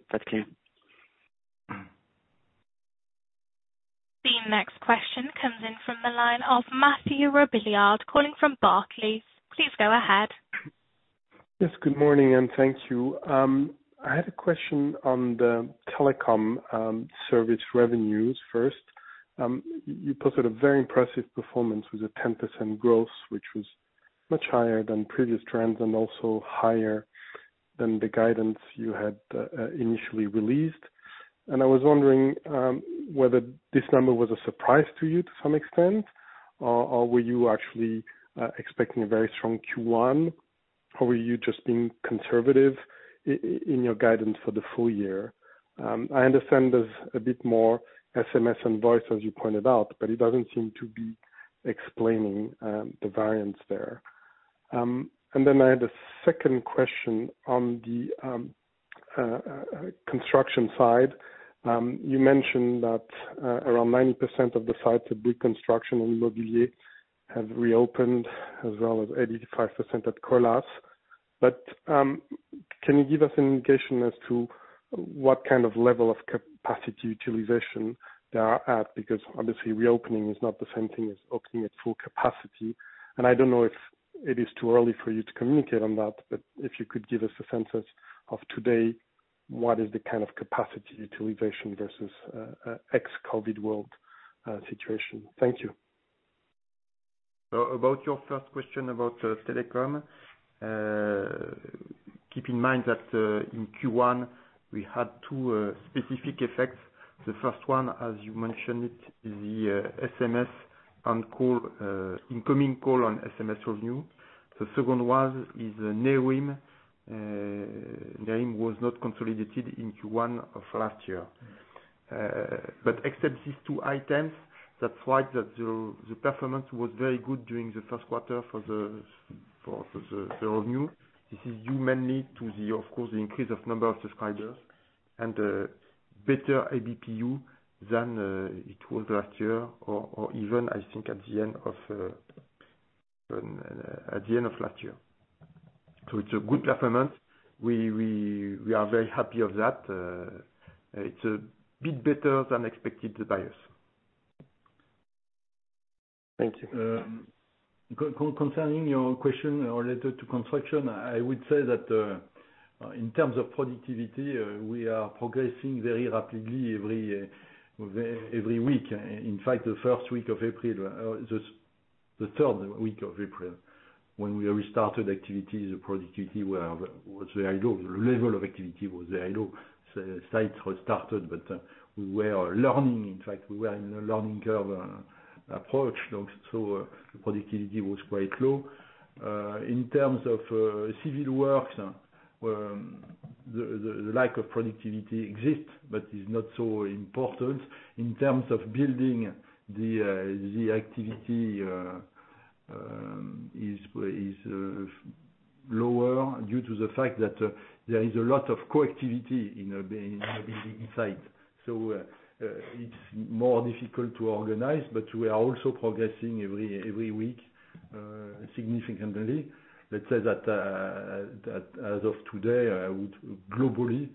That's clear. The next question comes in from the line of Mathieu Robilliard calling from Barclays. Please go ahead. Yes, good morning, and thank you. I had a question on the telecom service revenues first. You posted a very impressive performance with a 10% growth, which was much higher than previous trends and also higher than the guidance you had initially released. I was wondering whether this number was a surprise to you to some extent or were you actually expecting a very strong Q1, or were you just being conservative in your guidance for the full year? I understand there's a bit more SMS and voice, as you pointed out, but it doesn't seem to be explaining the variance there. I had a second question on the construction side. You mentioned that around 90% of the sites at Bouygues Construction and Immobilier have reopened as well as 85% at Colas. Can you give us an indication as to what kind of level of capacity utilization they are at? Because obviously, reopening is not the same thing as opening at full capacity. I don't know if it is too early for you to communicate on that, but if you could give us a sense of today, what is the kind of capacity utilization versus ex-COVID world? Thank you. About your first question about telecom, keep in mind that in Q1 we had two specific effects. The first one, as you mentioned it, is the SMS and incoming call on SMS revenue. The second one is Nerim. Nerim was not consolidated in Q1 of last year. Except these two items, that's right, that the performance was very good during the first quarter for the revenue. This is due mainly to the, of course, increase of number of subscribers and better ARPU than it was last year or even, I think, at the end of last year. It's a good performance. We are very happy of that. It's a bit better than expected by us. Thank you. Concerning your question related to construction, I would say that in terms of productivity, we are progressing very rapidly every week. In fact, the third week of April, when we restarted activities, the productivity was very low. The level of activity was very low. Sites were started. We were learning. In fact, we were in a learning curve approach. Productivity was quite low. In terms of civil works, the lack of productivity exists. It's not so important. In terms of building, the activity is lower due to the fact that there is a lot of co-activity in a building site. It's more difficult to organize. We are also progressing every week significantly. Let's say that as of today, globally,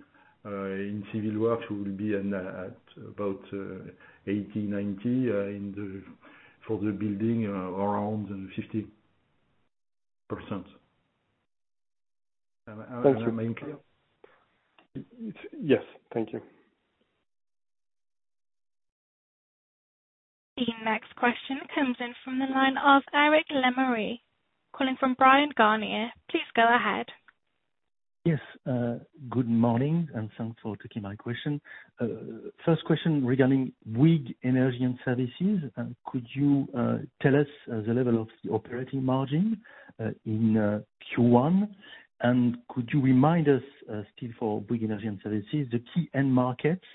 in civil works, we will be at about 80%-90% for the building, around 50%. Am I clear? Yes. Thank you. The next question comes in from the line of Eric Lemarié, calling from Bryan, Garnier. Please go ahead. Yes, Good morning. Thanks for taking my question. First question regarding Bouygues Energies & Services, could you tell us the level of the operating margin in Q1? Could you remind us, still for Bouygues Energies & Services, the key end markets?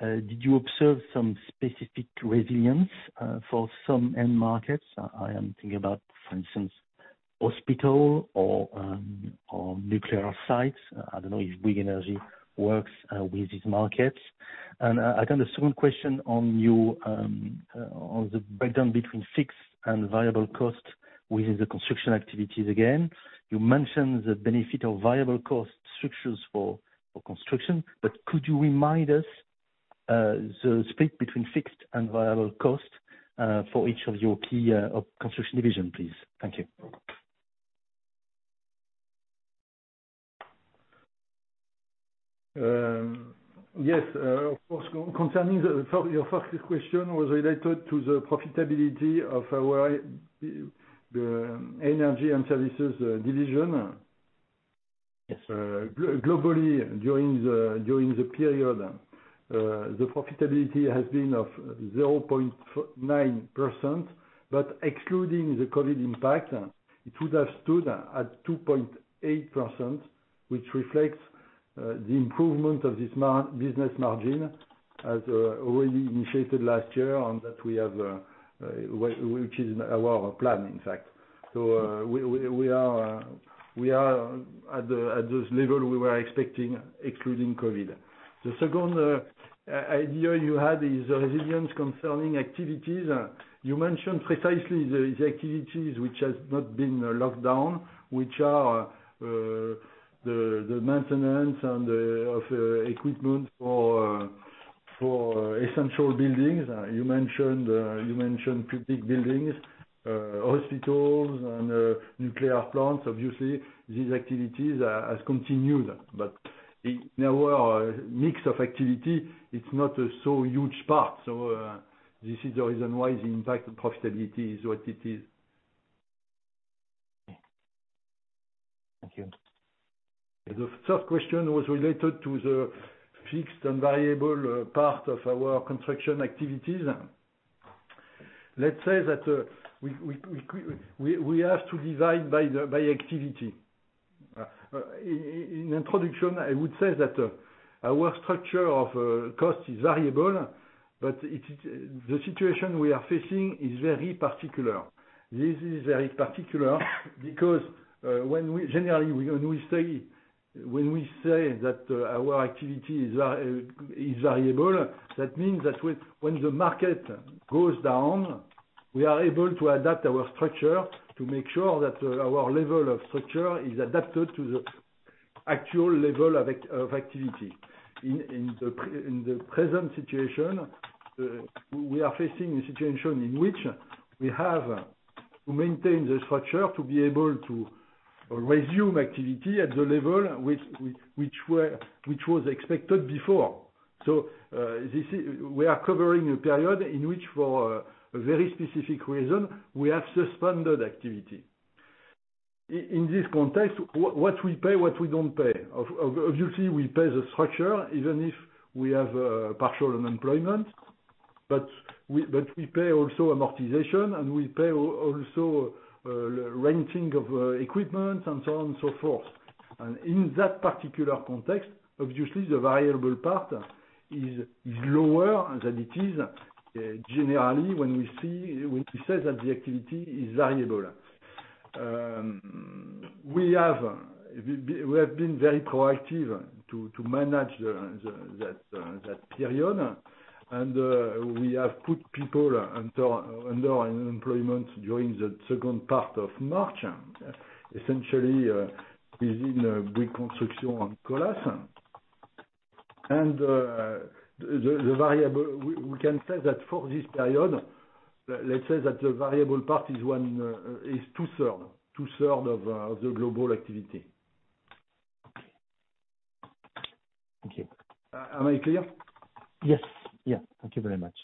Did you observe some specific resilience for some end markets? I am thinking about, for instance, hospital or nuclear sites. I don't know if Bouygues Energy works with these markets. I kind of switch question on the breakdown between fixed and variable cost within the construction activities again. You mentioned the benefit of variable cost structures for construction, could you remind us the split between fixed and variable cost for each of your key construction division, please? Thank you. Yes. Concerning your first question was related to the profitability of our Energy and Services division. Yes, Sir. Globally, during the period, the profitability has been of 0.9%, excluding the COVID impact, it would have stood at 2.8%, which reflects the improvement of this business margin as already initiated last year, which is our plan, in fact. We are at the level we were expecting, excluding COVID. The second idea you had is the resilience concerning activities. You mentioned precisely the activities which has not been locked down, which are the maintenance of equipment for essential buildings. You mentioned critical buildings, hospitals and nuclear plants. These activities have continued, in our mix of activity, it's not a so huge part. This is the reason why the impact on profitability is what it is. Thank you. The third question was related to the fixed and variable part of our construction activities. Let's say that we have to divide by activity. In introduction, I would say that our structure of cost is variable. The situation we are facing is very particular. This is very particular because when we say that our activity is variable, that means that when the market goes down, we are able to adapt our structure to make sure that our level of structure is adapted to the actual level of activity. In the present situation, we are facing a situation in which we have. To maintain the structure, to be able to resume activity at the level which was expected before. We are covering a period in which for a very specific reason, we have suspended activity. In this context, what we pay, what we don't pay. Obviously, we pay the structure even if we have partial unemployment, but we pay also amortization, and we pay also renting of equipment and so on and so forth. In that particular context, obviously, the variable part is lower than it is generally when we say that the activity is variable. We have been very proactive to manage that period, and we have put people under unemployment during the second part of March, essentially within Bouygues Construction and Colas. We can say that for this period, let's say that the variable part is two-third of the global activity. Okay. Thank you. Am I clear? Yes. Thank you very much.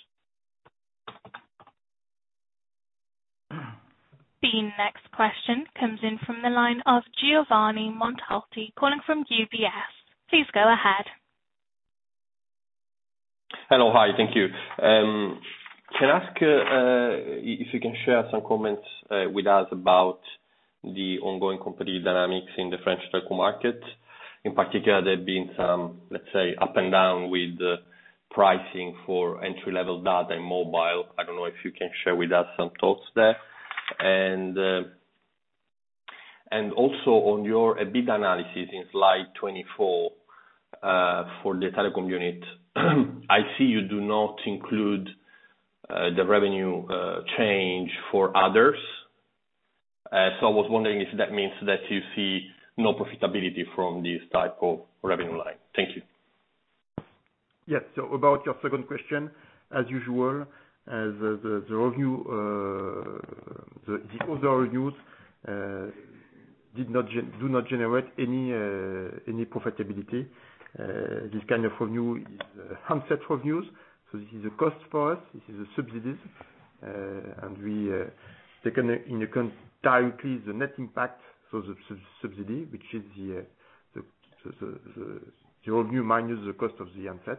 The next question comes in from the line of Giovanni Montalti calling from UBS. Please go ahead. Hello. Hi, thank you. Can I ask if you can share some comments with us about the ongoing company dynamics in the French telecom market? In particular, there have been some, let's say, up and down with the pricing for entry-level data and mobile. I don't know if you can share with us some thoughts there. Also on your EBIT analysis in slide 24, for the telecom unit I see you do not include the revenue change for others. I was wondering if that means that you see no profitability from this type of revenue line. Thank you. Yes. About your second question, as usual, the other revenues do not generate any profitability. This kind of revenue is handset revenues. This is a cost for us, this is a subsidy. We take in entirely the net impact. The subsidy, which is the revenue minus the cost of the handset.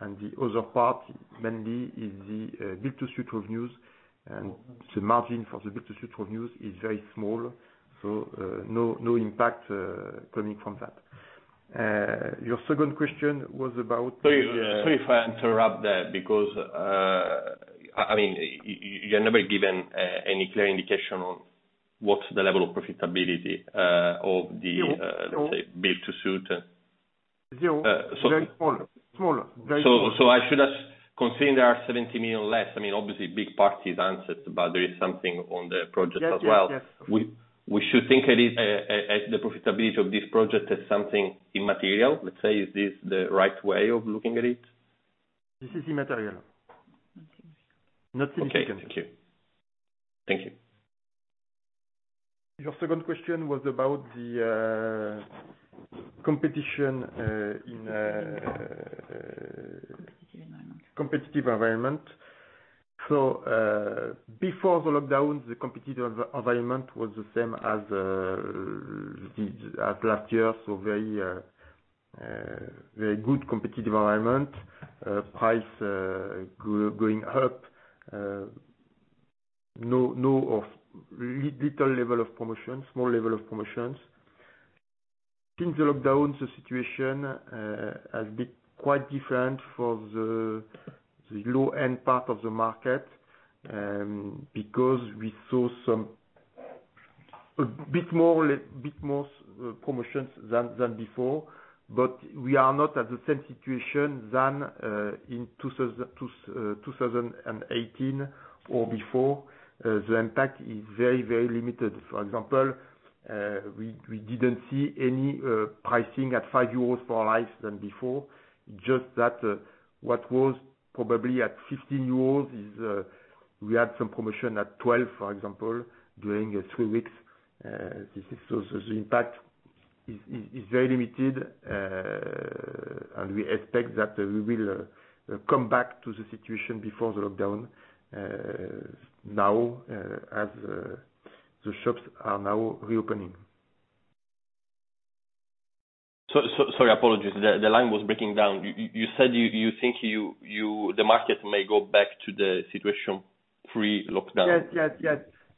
The other part mainly is the build-to-suit revenues, and the margin for the build-to-suit revenues is very small, no impact coming from that. Your second question was about the- Sorry if I interrupt there because, you never given any clear indication on what's the level of profitability. Zero let's say, build-to-suit. Zero. Very small. I should have considered there are 70 million less. Obviously, big part is handset, but there is something on the project as well. Yes. We should think at least the profitability of this project as something immaterial? Let's say, is this the right way of looking at it? This is immaterial. Not significant. Okay. Thank you. Your second question was about the competition in. Competitive environment competitive environment. Before the lockdown, the competitive environment was the same as last year, so very good competitive environment. Price going up, little level of promotions, small level of promotions. Since the lockdown, the situation has been quite different for the low-end part of the market, because we saw a bit more promotions than before. We are not at the same situation than in 2018 or before. The impact is very limited. For example, we didn't see any pricing at 5 euros for life than before. Just that what was probably at 15 euros is we had some promotion at 12, for example, during three weeks. The impact is very limited, and we expect that we will come back to the situation before the lockdown now, as the shops are now reopening. Sorry, apologies. The line was breaking down. You said you think the market may go back to the situation pre-lockdown? Yes.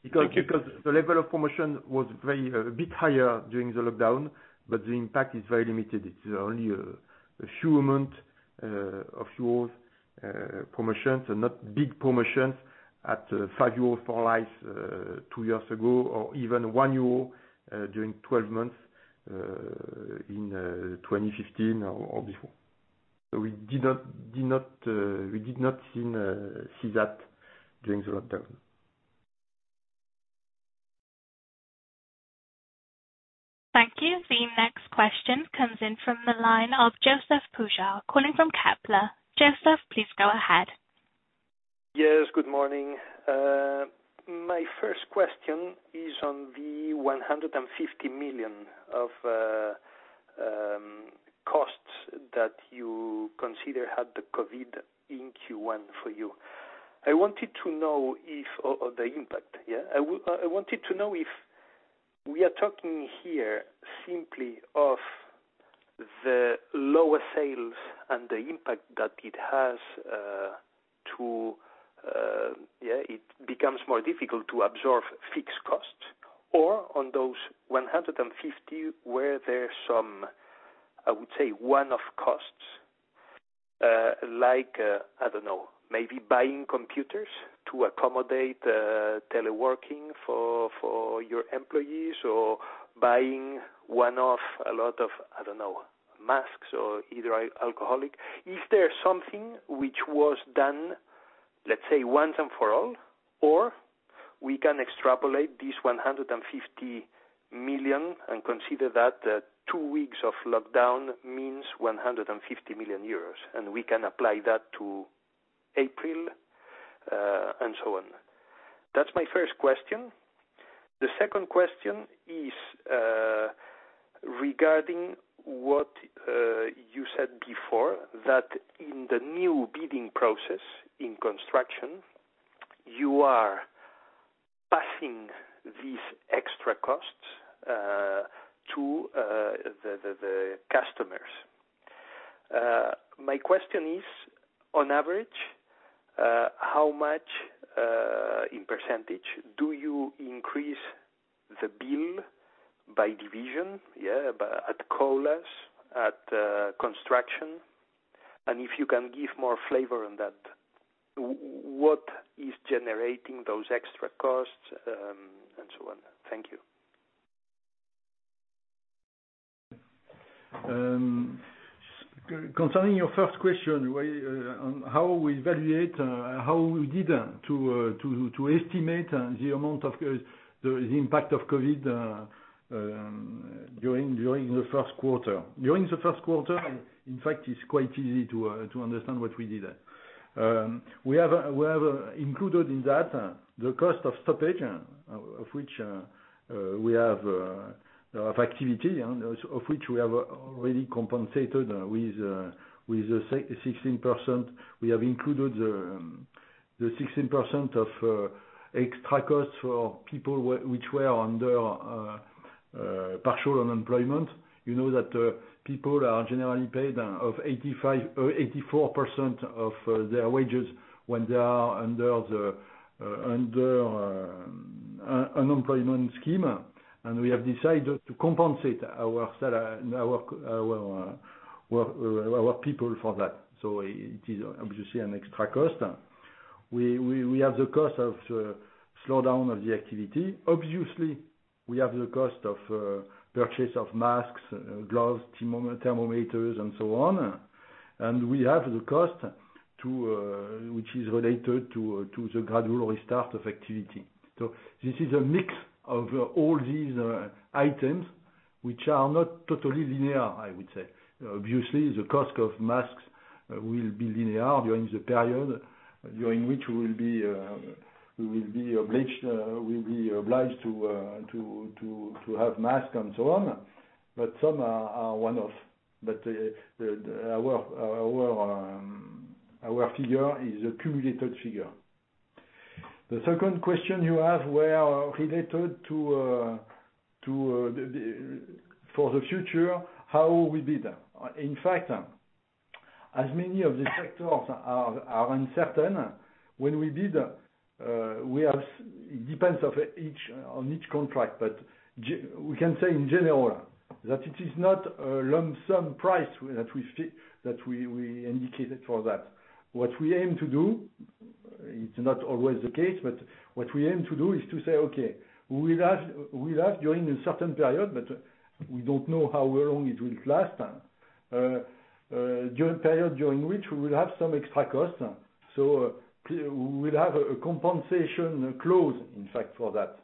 Thank you. The level of promotion was a bit higher during the lockdown, but the impact is very limited. It's only a few amount of EUR promotions and not big promotions at 5 euros for life two years ago or even 1 euro during 12 months in 2015 or before. We did not see that during the lockdown. Thank you. The next question comes in from the line of José Porta, calling from Kepler. José, please go ahead. Yes, good morning. My first question is on the 150 million of costs that you consider had the COVID-19 in Q1 for you, or the impact, yeah. I wanted to know if we are talking here simply of the lower sales and the impact that it has to, it becomes more difficult to absorb fixed costs. On those 150 million, were there some, I would say, one-off costs, like, I don't know, maybe buying computers to accommodate teleworking for your employees or buying one-off a lot of, I don't know, masks or either alcohol. Is there something which was done, let's say once and for all, or we can extrapolate this 150 million and consider that two weeks of lockdown means 150 million euros, and we can apply that to April, and so on. That's my first question. The second question is, regarding what you said before, that in the new bidding process in construction, you are passing these extra costs to the customers. My question is, on average, how much, in percentage, do you increase the bill by division? By at Colas, at construction, and if you can give more flavor on that, what is generating those extra costs, and so on. Thank you. Concerning your first question, on how we evaluate, how we did to estimate the amount of the impact of COVID-19 during the first quarter. During the first quarter, in fact, it's quite easy to understand what we did. We have included in that the cost of stoppage of activity, of which we have already compensated with the 16%. We have included the 16% of extra costs for people which were under partial unemployment. You know that people are generally paid of 84% of their wages when they are under unemployment scheme. We have decided to compensate our people for that. It is obviously an extra cost. We have the cost of slowdown of the activity. Obviously, we have the cost of purchase of masks, gloves, thermometers, and so on. We have the cost which is related to the gradual restart of activity. This is a mix of all these items which are not totally linear, I would say. Obviously, the cost of masks will be linear during the period, during which we will be obliged to have masks and so on. Some are one-off. Our figure is a cumulative figure. The second question you have were related for the future, how we bid. In fact, as many of the sectors are uncertain, when we bid, it depends on each contract, but we can say in general that it is not a lump sum price that we indicated for that. What we aim to do, it's not always the case, but what we aim to do is to say, okay, we'll have during a certain period, but we don't know how long it will last. During period during which we will have some extra costs. We'll have a compensation clause, in fact, for that.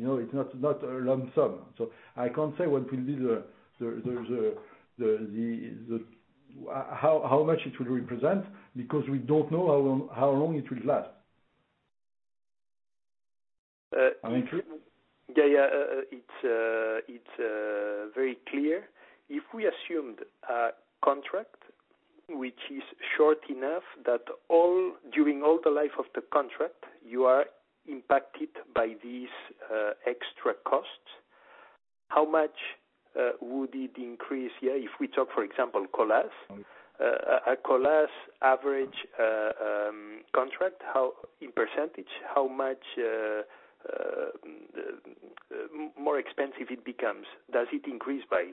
It's not a lump sum. I can't say how much it will represent because we don't know how long it will last. Am I clear? It's very clear. If we assumed a contract which is short enough that during all the life of the contract, you are impacted by these extra costs, how much would it increase? If we talk, for example, Colas. A Colas average contract, in percentage, how much more expensive it becomes? Does it increase by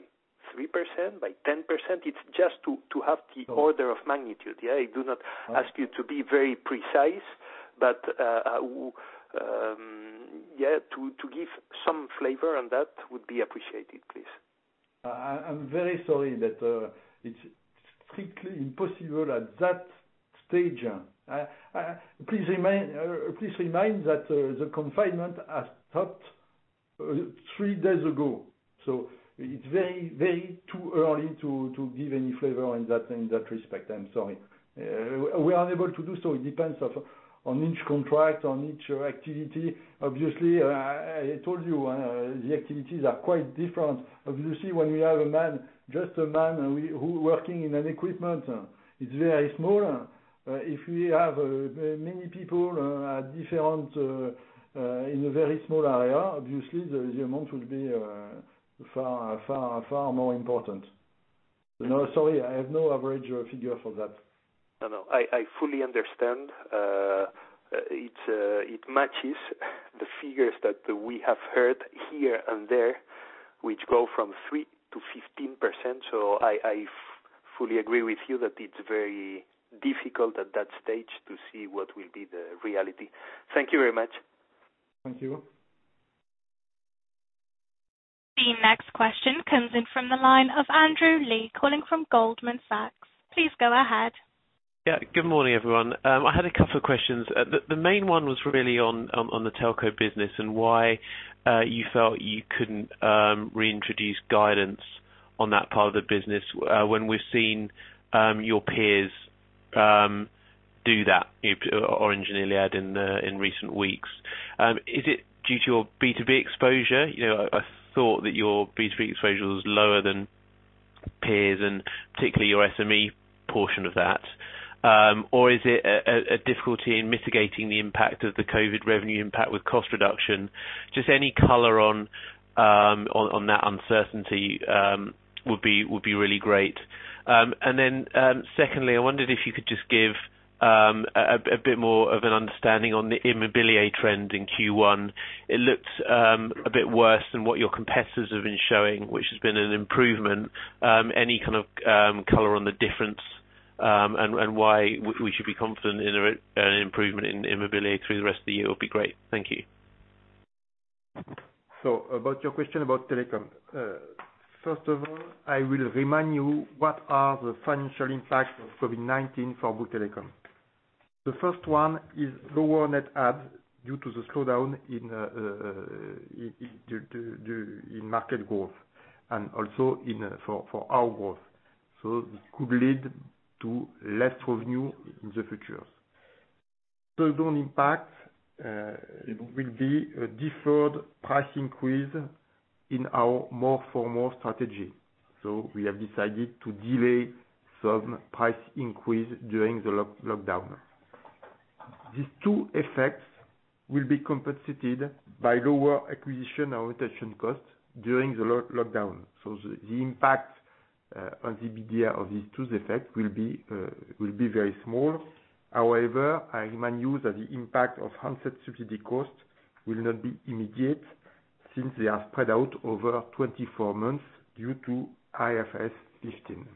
3%, by 10%? It's just to have the order of magnitude. I do not ask you to be very precise, but to give some flavor on that would be appreciated, please. I'm very sorry. Strictly impossible at that stage. Please remind that the confinement has stopped three days ago. It's very too early to give any flavor in that respect. I'm sorry. We are unable to do so. It depends on each contract, on each activity. Obviously, I told you, the activities are quite different. Obviously, when we have a man, just a man who working in an equipment, it's very small. If we have many people in a very small area, obviously the amount will be far more important. No, sorry, I have no average figure for that. No, I fully understand. It matches the figures that we have heard here and there, which go from 3%-15%. I fully agree with you that it's very difficult at that stage to see what will be the reality. Thank you very much. Thank you. The next question comes in from the line of Andrew Lee, calling from Goldman Sachs. Please go ahead. Yeah. Good morning, everyone. I had a couple of questions. The main one was really on the telco business and why you felt you couldn't reintroduce guidance on that part of the business when we've seen your peers do that, Orange and Iliad in recent weeks. Is it due to your B2B exposure? I thought that your B2B exposure was lower than peers and particularly your SME portion of that. Or is it a difficulty in mitigating the impact of the COVID-19 revenue impact with cost reduction? Just any color on that uncertainty would be really great. Secondly, I wondered if you could just give a bit more of an understanding on the Immobilier trend in Q1. It looks a bit worse than what your competitors have been showing, which has been an improvement. Any kind of color on the difference, and why we should be confident in an improvement in Immobilier through the rest of the year would be great. Thank you. About your question about Telecom. First of all, I will remind you what are the financial impact of COVID-19 for Bouygues Telecom. The first one is lower net add due to the slowdown in market growth and also for our growth. This could lead to less revenue in the future. Second impact will be a deferred price increase in our more for more strategy. We have decided to delay some price increase during the lockdown. These two effects will be compensated by lower acquisition and retention costs during the lockdown. The impact on the EBITDA of these two effects will be very small. However, I remind you that the impact of handset subsidy costs will not be immediate, since they are spread out over 24 months due to IFRS 15.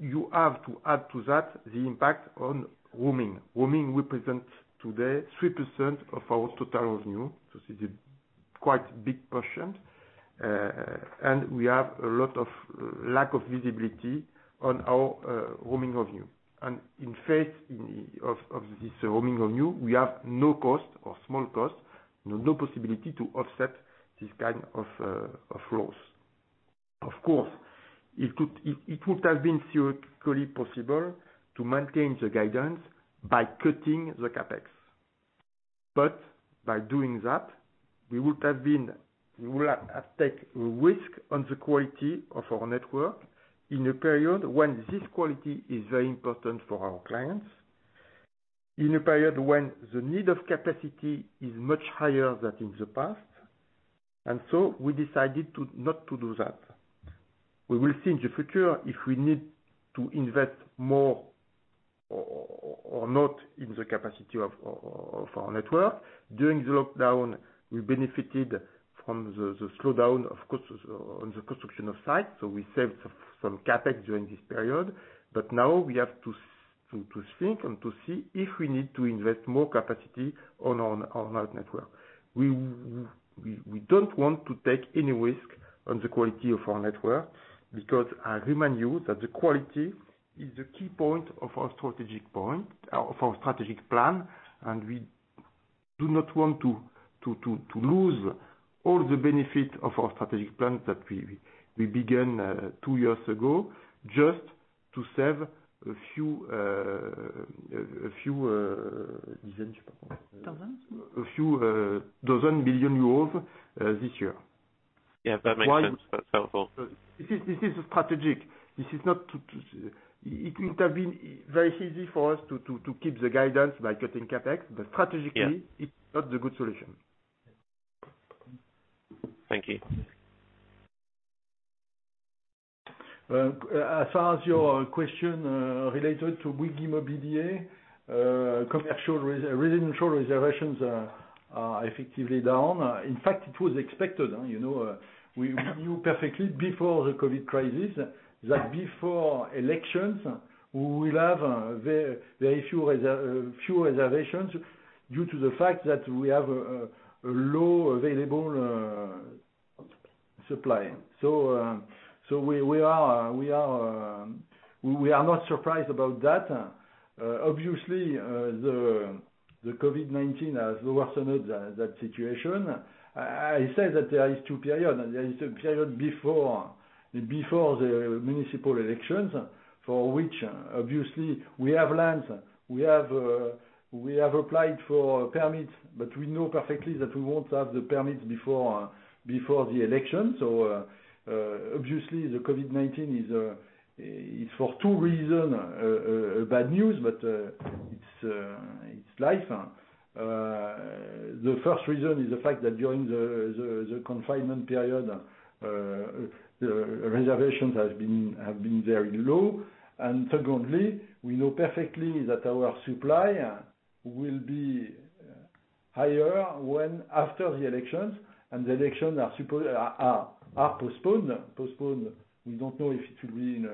You have to add to that the impact on roaming. Roaming represents today 3% of our total revenue. This is a quite big portion, and we have a lot of lack of visibility on our roaming revenue. In face of this roaming revenue, we have no cost or small cost, no possibility to offset this kind of loss. Of course, it could have been theoretically possible to maintain the guidance by cutting the CapEx. By doing that, we would have take a risk on the quality of our network in a period when this quality is very important for our clients, in a period when the need of capacity is much higher than in the past. We decided not to do that. We will see in the future if we need to invest more or not in the capacity of our network. During the lockdown, we benefited from the slowdown, of course, on the construction of sites. We saved some CapEx during this period, but now we have to think and to see if we need to invest more capacity on our network. We don't want to take any risk on the quality of our network because I remind you that the quality is the key point of our strategic plan, and we do not want to lose all the benefit of our strategic plan that we began two years ago just to save a few dozen billion EUR this year. Yeah, that makes sense. That's helpful. This is strategic. It could have been very easy for us to keep the guidance by cutting CapEx. Yeah. Strategically, it's not the good solution. Thank you. As far as your question related to Bouygues Immobilier, commercial residential reservations are effectively down. In fact, it was expected. We knew perfectly before the COVID crisis that before elections, we will have very few reservations due to the fact that we have a low available supply. We are not surprised about that. Obviously, the COVID-19 has worsened that situation. I said that there is two period, there is a period before the municipal elections, for which obviously we have lands. We have applied for permits, but we know perfectly that we won't have the permits before the election. Obviously, the COVID-19 is for two reason, bad news, but it's life. The first reason is the fact that during the confinement period, the reservations have been very low. Secondly, we know perfectly that our supply will be higher after the elections, and the elections are postponed. We don't know if it will be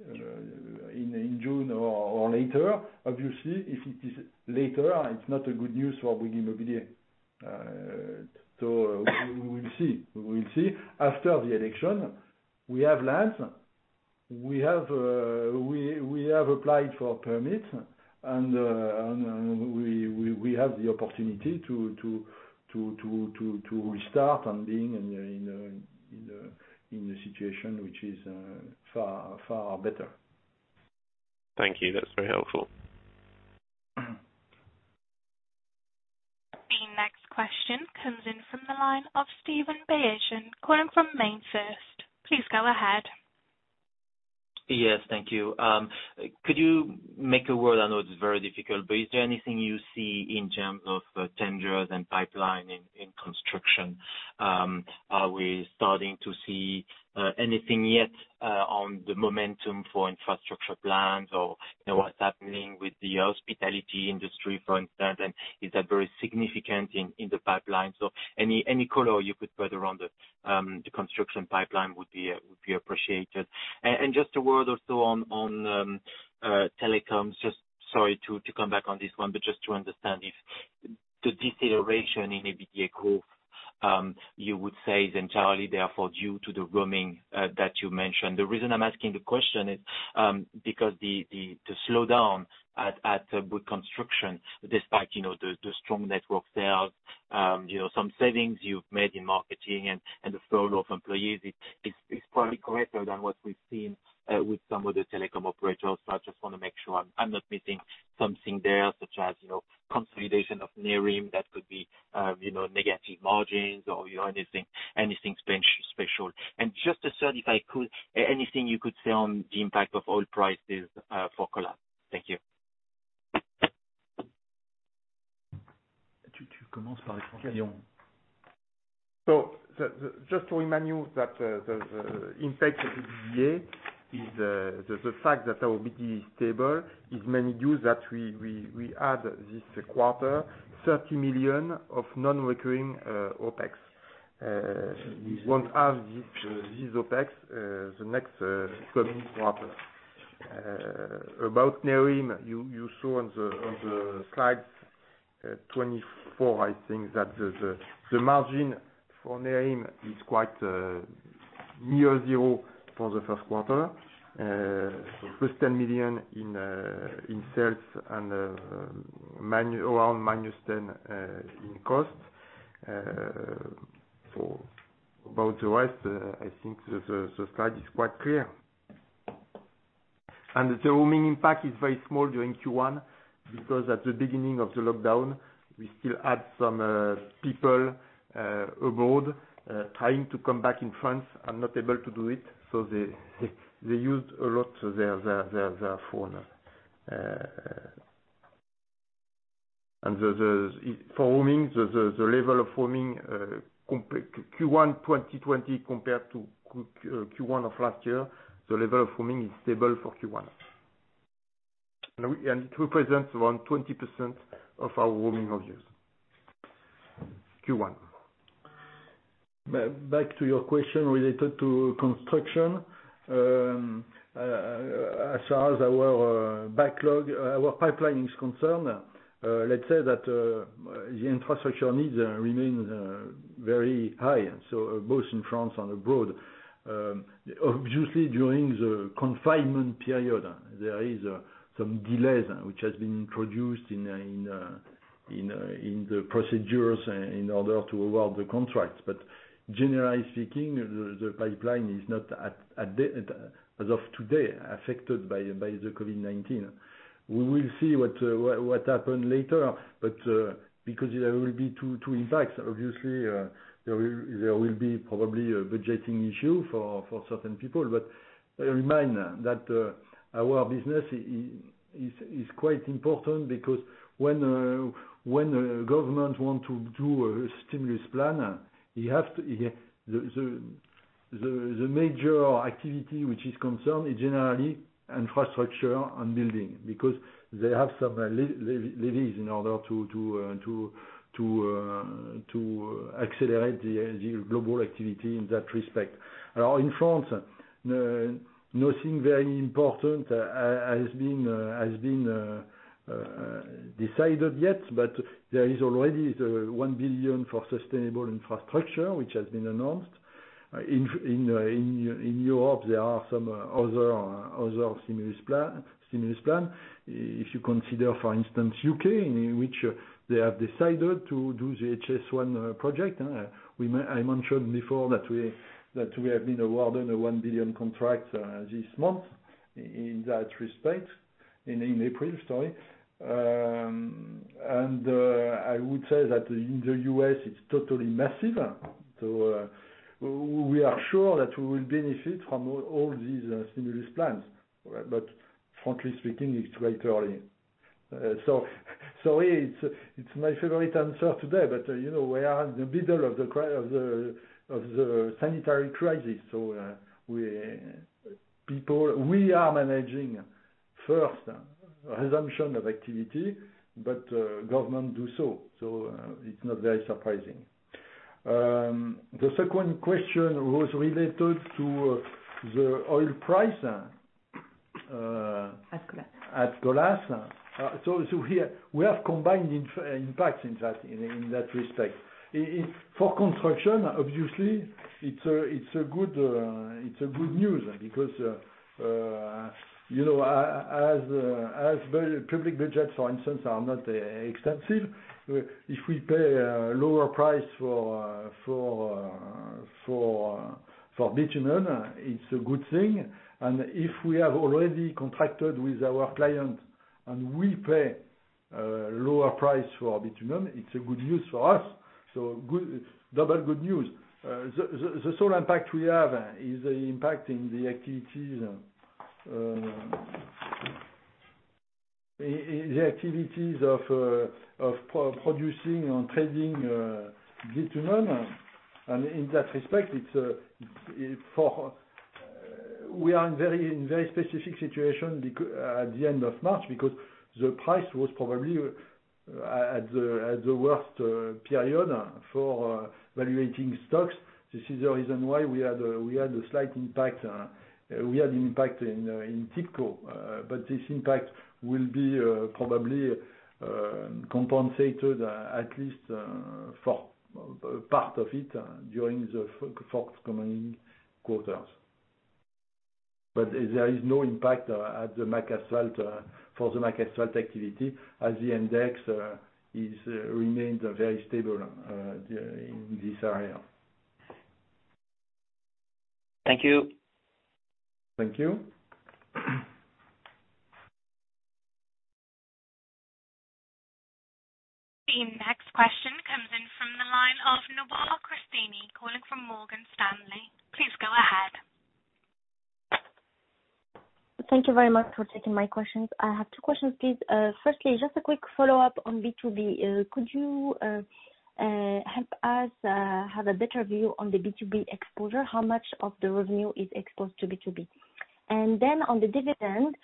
in June or later. Obviously, if it is later, it's not a good news for Bouygues Immobilier. We will see. After the election, we have lands. We have applied for permit and we have the opportunity to restart and being in the situation which is far better. Thank you. That's very helpful. The next question comes in from the line of Stephan Beyerink calling from MainFirst. Please go ahead. Yes, thank you. Could you make a word, I know this is very difficult, but is there anything you see in terms of tenders and pipeline in construction? Are we starting to see anything yet on the momentum for infrastructure plans or what's happening with the hospitality industry, for instance, and is that very significant in the pipeline? Any color you could provide around the construction pipeline would be appreciated. Just a word or so on telecoms, just sorry to come back on this one, but just to understand if the deceleration in EBITDA growth, you would say, is entirely therefore due to the roaming that you mentioned. The reason I'm asking the question is because the slowdown at the group construction, despite the strong network sales, some savings you've made in marketing and the furlough of employees is probably greater than what we've seen with some of the telecom operators. I just want to make sure I'm not missing something there such as consolidation of Nerim that could be negative margins or anything special. Just to certify, anything you could say on the impact of oil prices for Colas. Thank you. Just to remind you that the impact of the EBITDA is the fact that our EBITDA is stable is mainly due that we add this quarter, 30 million of non-recurring OpEx. We won't have this OpEx the next coming quarter. About Nerim, you saw on the slide 24, I think that the margin for Nerim is quite near zero for the first quarter. Plus 10 million in sales and around minus 10 in cost. About the rest, I think the slide is quite clear. The roaming impact is very small during Q1 because at the beginning of the lockdown, we still had some people abroad trying to come back in France and not able to do it. They used a lot their phone. For roaming, the level of roaming Q1 2020 compared to Q1 of last year, the level of roaming is stable for Q1. It represents around 20% of our roaming revenues. Q1. Back to your question related to construction. As far as our backlog, our pipeline is concerned, let's say that the infrastructure needs remain very high, so both in France and abroad. Obviously, during the confinement period, there is some delays which has been introduced in the procedures in order to award the contracts. Generally speaking, the pipeline is not as of today, affected by the COVID-19. We will see what happen later, but because there will be two impacts. Obviously, there will be probably a budgeting issue for certain people, but I remind that our business is quite important because when government want to do a stimulus plan, the major activity which is concerned is generally infrastructure and building because they have some levers in order to accelerate the global activity in that respect. In France, nothing very important has been decided yet, but there is already the 1 billion for sustainable infrastructure, which has been announced. In Europe, there are some other stimulus plan. If you consider, for instance, U.K., in which they have decided to do the HS2 project. I mentioned before that we have been awarded a 1 billion contract this month in that respect, in April, sorry. I would say that in the U.S., it's totally massive. We are sure that we will benefit from all these stimulus plans. Frankly speaking, it's way too early. It's my favorite answer today, but we are in the middle of the sanitary crisis. We are managing first resumption of activity, but government do so it's not very surprising. The second question was related to the oil price. At Colas. At Colas. We have combined impact in that respect. For construction, obviously it's a good news because, as public budgets, for instance, are not extensive, if we pay a lower price for bitumen, it's a good thing. If we have already contracted with our client and we pay a lower price for bitumen, it's a good news for us. Double good news. The sole impact we have is the impact in the activities of producing and trading bitumen. In that respect, we are in very specific situation at the end of March because the price was probably at the worst period for valuating stocks. This is the reason why we had impact in Tipco. This impact will be probably compensated at least for part of it during the forthcoming quarters. There is no impact for the McAsphalt activity, as the index is remained very stable in this area. Thank you. Thank you. The next question comes in from the line of Nawal Cristini calling from Morgan Stanley. Please go ahead. Thank you very much for taking my questions. I have two questions, please. Firstly, just a quick follow-up on B2B. Could you help us have a better view on the B2B exposure? How much of the revenue is exposed to B2B? Then on the dividend,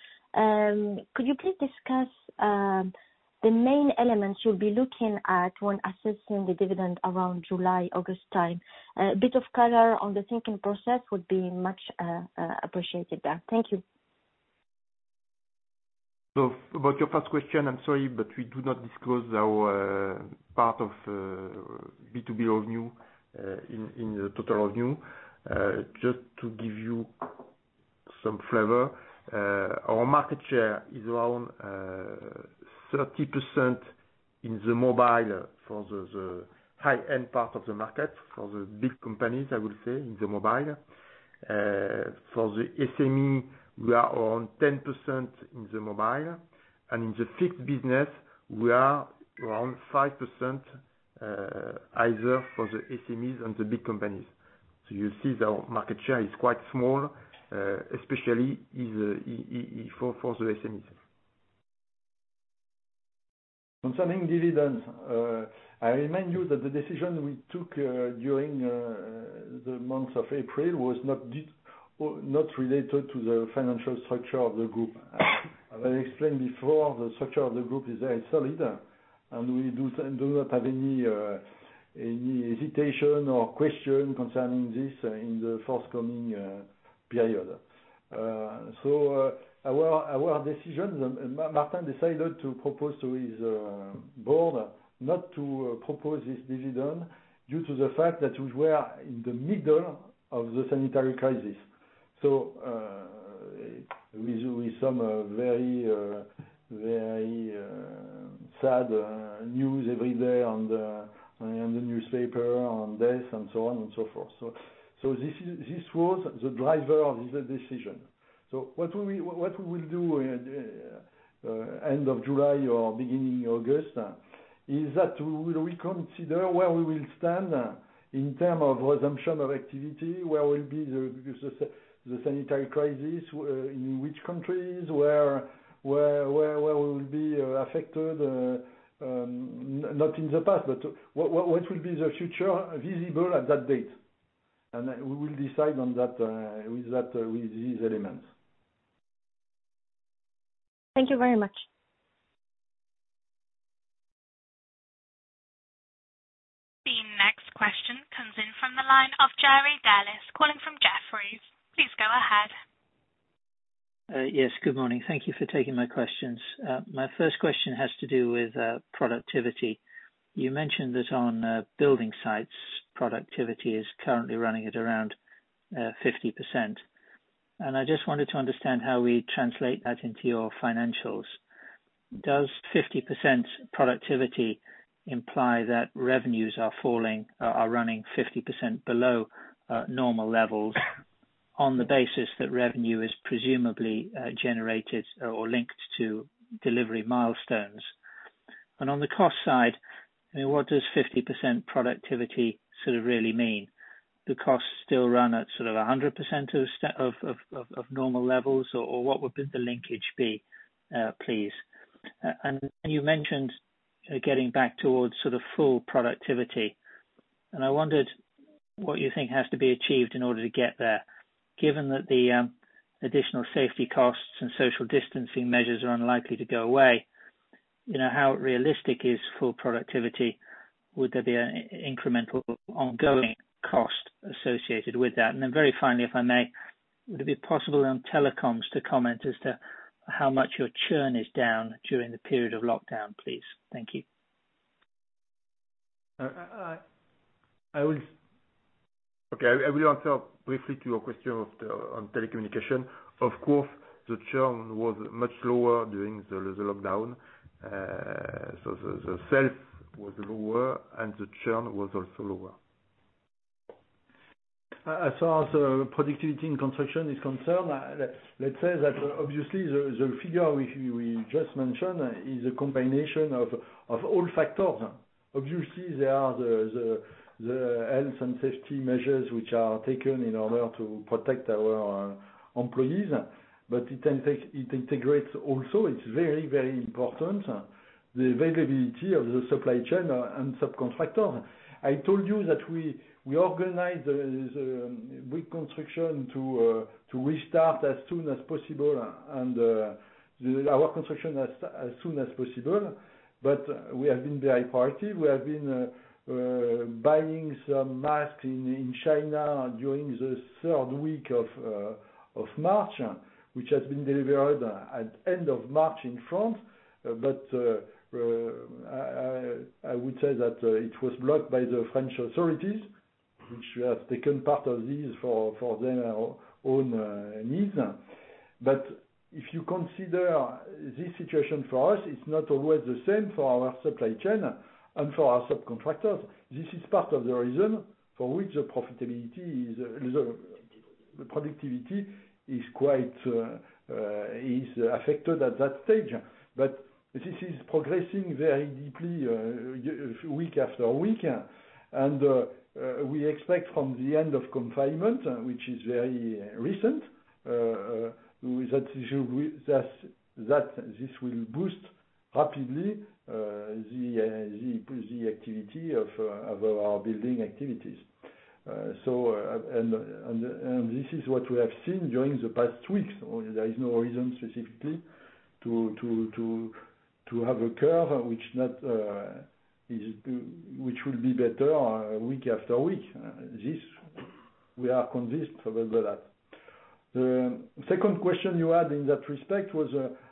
could you please discuss the main elements you'll be looking at when assessing the dividend around July, August time? A bit of color on the thinking process would be much appreciated there. Thank you. About your first question, I am sorry, but we do not disclose our part of B2B revenue in the total revenue. To give you some flavor, our market share is around 30% in the mobile for the high-end part of the market, for the big companies, I would say, in the mobile. For the SME, we are around 10% in the mobile. In the fixed business, we are around 5%, either for the SMEs and the big companies. You see our market share is quite small, especially for the SMEs. Concerning dividends, I remind you that the decision we took during the month of April was not related to the financial structure of the group. As I explained before, the structure of the group is very solid, and we do not have any hesitation or question concerning this in the forthcoming period. Our decisions, and Martin decided to propose to his board not to propose this dividend due to the fact that we were in the middle of the sanitary crisis. With some very sad news every day on the newspaper, on this, and so on and so forth. This was the driver of the decision. What we will do end of July or beginning August is that we will reconsider where we will stand in term of resumption of activity, where will be the sanitary crisis, in which countries, where we will be affected, not in the past, but what will be the future visible at that date. We will decide on that with these elements. Thank you very much. The next question comes in from the line of Jerry Dellis calling from Jefferies. Please go ahead. Yes, good morning. Thank you for taking my questions. My first question has to do with productivity. You mentioned that on building sites, productivity is currently running at around 50%. I just wanted to understand how we translate that into your financials. Does 50% productivity imply that revenues are running 50% below normal levels on the basis that revenue is presumably generated or linked to delivery milestones? On the cost side, what does 50% productivity really mean? Do costs still run at 100% of normal levels, or what would the linkage be, please? You mentioned getting back towards full productivity, and I wondered what you think has to be achieved in order to get there, given that the additional safety costs and social distancing measures are unlikely to go away, how realistic is full productivity? Would there be an incremental ongoing cost associated with that? Very finally, if I may, would it be possible on telecoms to comment as to how much your churn is down during the period of lockdown, please? Thank you. Okay. I will answer briefly to your question on telecommunication. Of course, the churn was much lower during the lockdown. The sales was lower and the churn was also lower. As far as productivity in construction is concerned, let's say that obviously the figure we just mentioned is a combination of all factors. Obviously, there are the health and safety measures, which are taken in order to protect our employees. It integrates also, it's very, very important, the availability of the supply chain and subcontractor. I told you that we organize the reconstruction to restart as soon as possible and our construction as soon as possible. We have been very proactive. We have been buying some masks in China during the third week of March, which has been delivered at end of March in France. I would say that it was blocked by the French authorities, which have taken part of this for their own needs. If you consider this situation for us, it's not always the same for our supply chain and for our subcontractors. This is part of the reason for which the productivity is affected at that stage. This is progressing very deeply week after week. We expect from the end of confinement, which is very recent, that this will boost rapidly the activity of our building activities. This is what we have seen during the past weeks. There is no reason specifically to have a curve which will be better week after week. This we are convinced about that. The second question you had in that respect was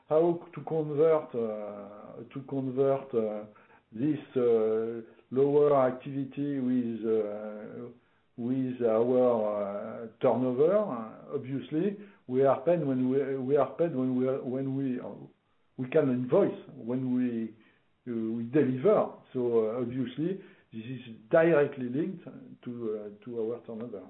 how to convert this lower activity with our turnover. Obviously, we are paid when we can invoice, when we deliver, so obviously this is directly linked to our turnover.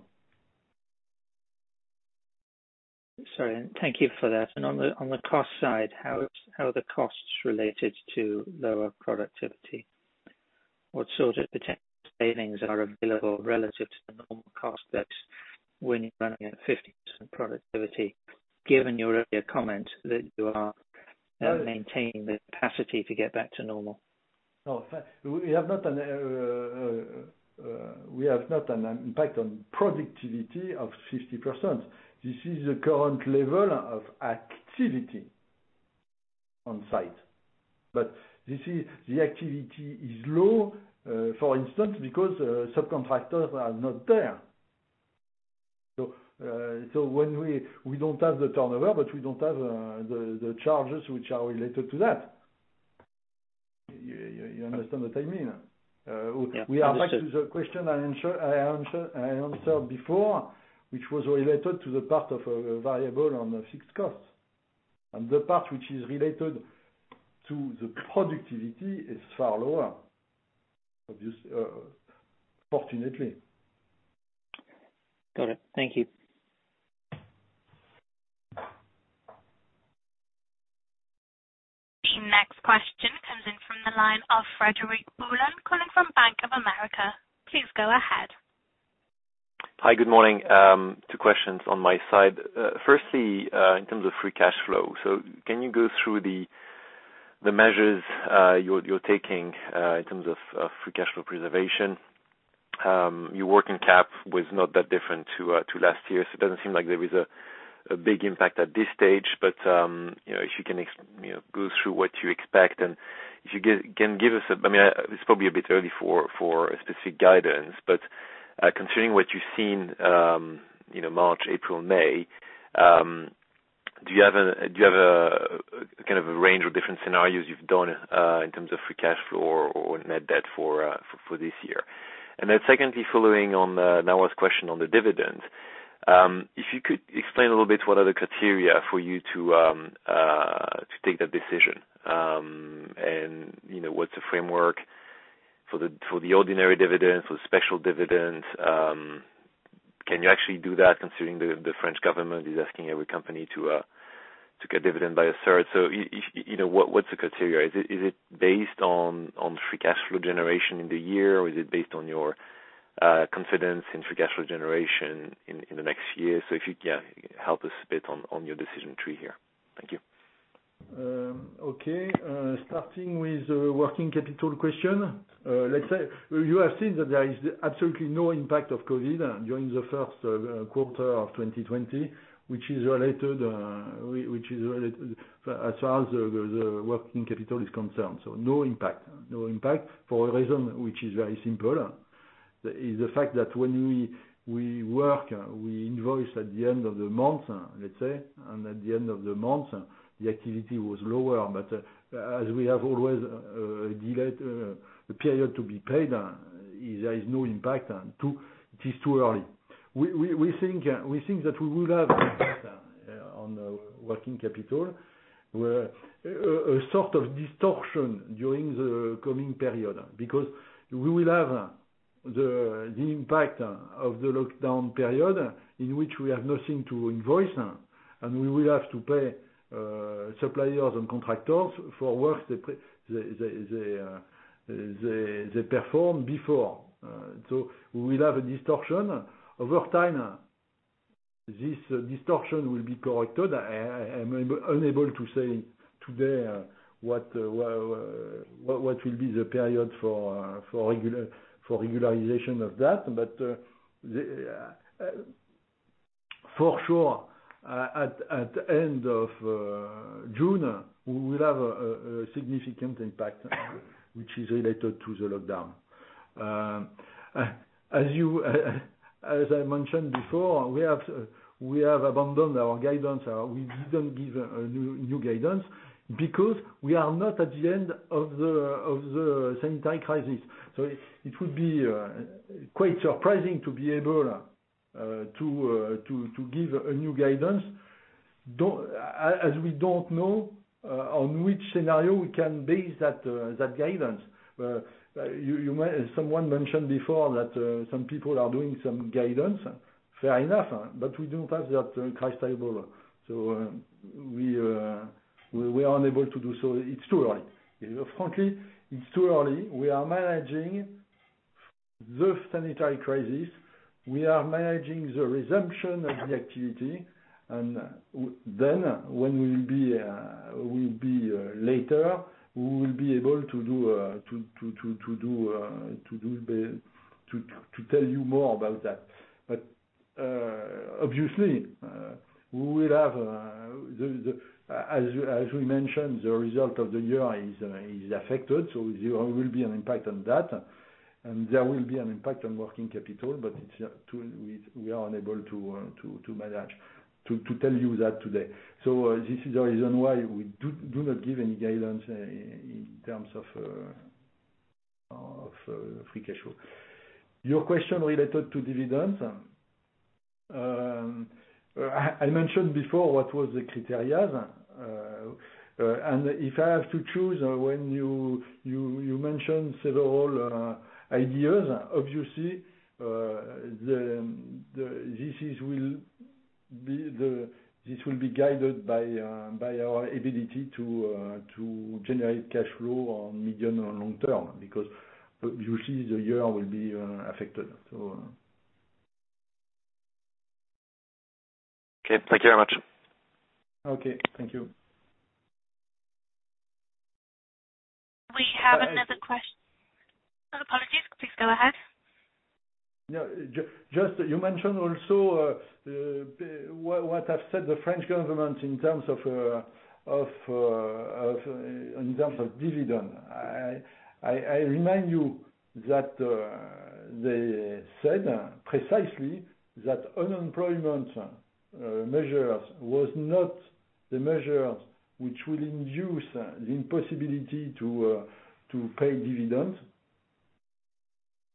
Sorry. Thank you for that. On the cost side, how are the costs related to lower productivity? What sort of potential savings are available relative to the normal cost that when you're running at 50% productivity, given your earlier comment that you are maintaining the capacity to get back to normal? We have not an impact on productivity of 50%. This is the current level of activity on site. The activity is low, for instance, because subcontractors are not there. We don't have the turnover. We don't have the charges which are related to that. You understand what I mean? Yeah. Understood. We are back to the question I answered before, which was related to the part of a variable on the fixed cost. The part which is related to the productivity is far lower, fortunately. Got it. Thank you. The next question comes in from the line of Frédéric Boulan calling from Bank of America. Please go ahead. Hi, good morning. Two questions on my side. Firstly, in terms of free cash flow. Can you go through the measures you're taking in terms of free cash flow preservation? Your working cap was not that different to last year, so it doesn't seem like there is a big impact at this stage. If you can go through what you expect and if you can give us, it's probably a bit early for a specific guidance, butConsidering what you've seen March, April, May, do you have a range of different scenarios you've done in terms of free cash flow or net debt for this year? Secondly, following on Nawal's question on the dividend, if you could explain a little bit what are the criteria for you to take that decision? What's the framework for the ordinary dividends, for special dividends? Can you actually do that considering the French government is asking every company to cut dividend by a third? What's the criteria? Is it based on free cash flow generation in the year, or is it based on your confidence in free cash flow generation in the next year? If you can help us a bit on your decision tree here. Thank you. Okay. Starting with the working capital question. Let's say you have seen that there is absolutely no impact of COVID during the first quarter of 2020, which is related as far as the working capital is concerned. No impact. For a reason which is very simple, is the fact that when we work, we invoice at the end of the month, let's say, and at the end of the month, the activity was lower. As we have always delayed the period to be paid, there is no impact. It is too early. We think that we will have impact on working capital, a sort of distortion during the coming period, because we will have the impact of the lockdown period in which we have nothing to invoice, and we will have to pay suppliers and contractors for work they performed before. We will have a distortion. Over time, this distortion will be corrected. I am unable to say today what will be the period for regularization of that. For sure, at end of June, we will have a significant impact which is related to the lockdown. As I mentioned before, we have abandoned our guidance. We didn't give a new guidance because we are not at the end of the sanitary crisis. It would be quite surprising to be able to give a new guidance, as we don't know on which scenario we can base that guidance. Someone mentioned before that some people are doing some guidance. Fair enough, but we don't have that crystal ball. We are unable to do so. It's too early. Frankly, it's too early. We are managing the sanitary crisis. We are managing the resumption of the activity. When we will be later, we will be able to tell you more about that. Obviously, as we mentioned, the result of the year is affected, so there will be an impact on that, and there will be an impact on working capital, but we are unable to tell you that today. This is the reason why we do not give any guidance in terms of free cash flow. Your question related to dividends. I mentioned before what was the criteria. If I have to choose, when you mentioned several ideas, obviously, this will be guided by our ability to generate cash flow on medium or long term, because usually the year will be affected. Okay. Thank you very much. Okay. Thank you. We have another question. Apologies, please go ahead. You mentioned also what have said the French government in terms of dividend. I remind you that they said precisely that unemployment measures was not the measures which will induce the impossibility to pay dividends.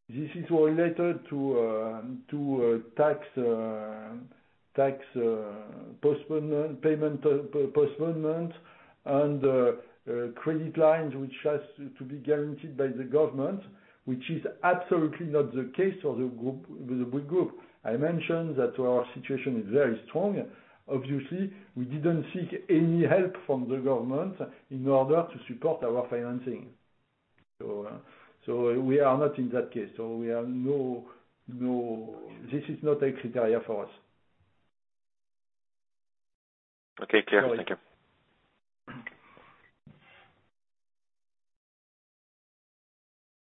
This is related to tax postponement, payment postponement and credit lines, which has to be guaranteed by the government, which is absolutely not the case for the Bouygues Group. I mentioned that our situation is very strong. Obviously, we didn't seek any help from the government in order to support our financing. We are not in that case. This is not a criteria for us. Okay. Clear. Thank you.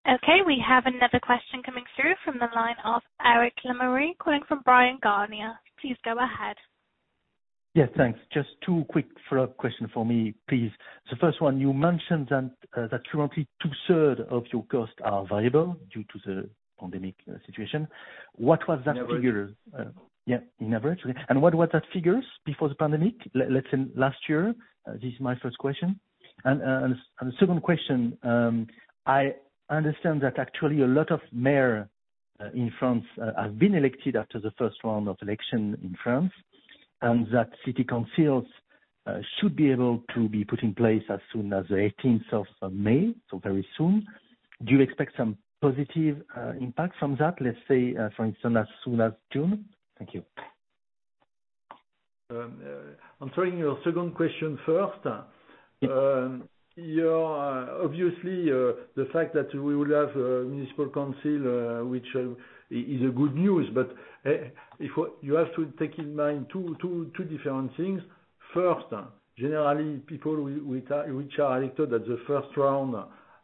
Okay, we have another question coming through from the line of Éric Le Gouriellec calling from Bryan, Garnier & Co please go ahead. Yes, thanks. Just two quick follow-up questions for me, please. The first one, you mentioned that currently two-third of your costs are variable due to the pandemic situation. What was that figure? In average. Yeah, in average. What was that figure before the pandemic, let's say last year? This is my first question. Second question, I understand that actually a lot of mayor in France have been elected after the first round of election in France, and that city councils should be able to be put in place as soon as the 18th of May, so very soon. Do you expect some positive impact from that, let's say, for instance, as soon as June? Thank you. I'm answering your second question first. Obviously, the fact that we will have municipal council, which is a good news, but you have to take in mind two different things. First, generally, people which are elected at the first round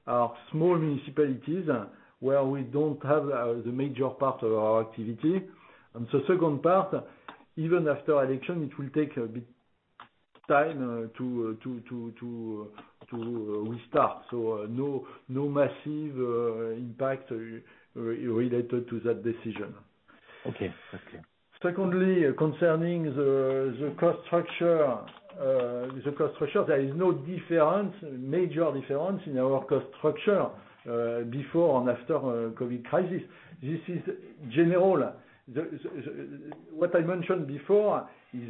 are small municipalities where we don't have the major part of our activity. The second part, even after election, it will take a bit time to restart. No massive impact related to that decision. Okay. Secondly, concerning the cost structure, there is no major difference in our cost structure before and after COVID crisis. This is general. What I mentioned before is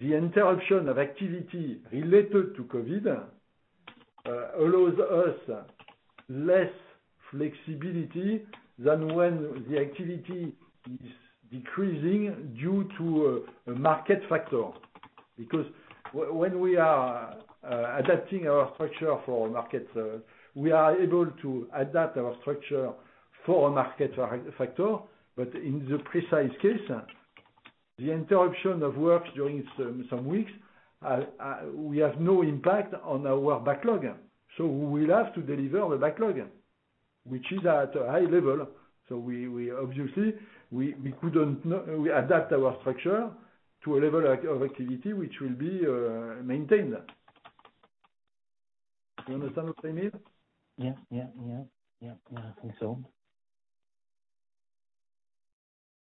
the interruption of activity related to COVID allows us less flexibility than when the activity is decreasing due to a market factor. When we are adapting our structure for a market, we are able to adapt our structure for a market factor. In the precise case, the interruption of work during some weeks, we have no impact on our backlog. We will have to deliver the backlog, which is at a high level. Obviously, we couldn't adapt our structure to a level of activity which will be maintained. You understand what I mean? Yeah. I think so.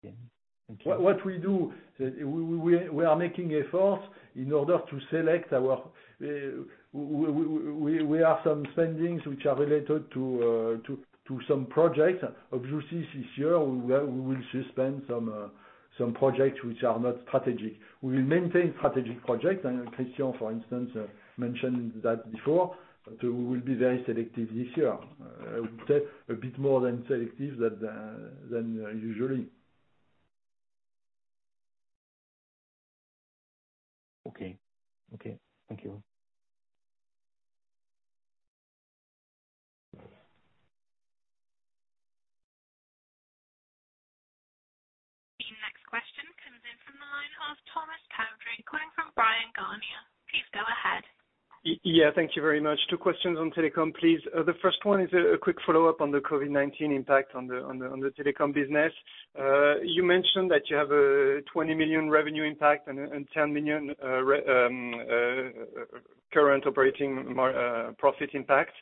Thank you. We have some spendings which are related to some projects. This year, we will suspend some projects which are not strategic. We will maintain strategic projects, and Christian, for instance, mentioned that before, but we will be very selective this year. I would say a bit more than selective than usually. Okay. Thank you. The next question comes in from the line of Thomas Chauvet calling from Bryan, Garnier. Please go ahead. Yeah, thank you very much. Two questions on telecom, please. The first one is a quick follow-up on the COVID-19 impact on the telecom business. You mentioned that you have a 20 million revenue impact and 10 million current operating profit impact.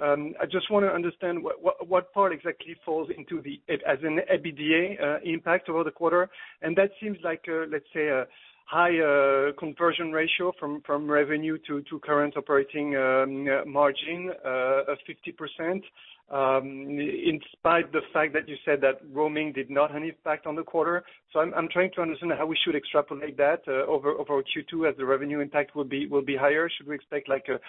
I just want to understand what part exactly falls into as an EBITDA impact over the quarter. That seems like a, let's say, a high conversion ratio from revenue to current operating margin of 50%, in spite the fact that you said that roaming did not have an impact on the quarter. I'm trying to understand how we should extrapolate that over Q2 as the revenue impact will be higher. Should we expect at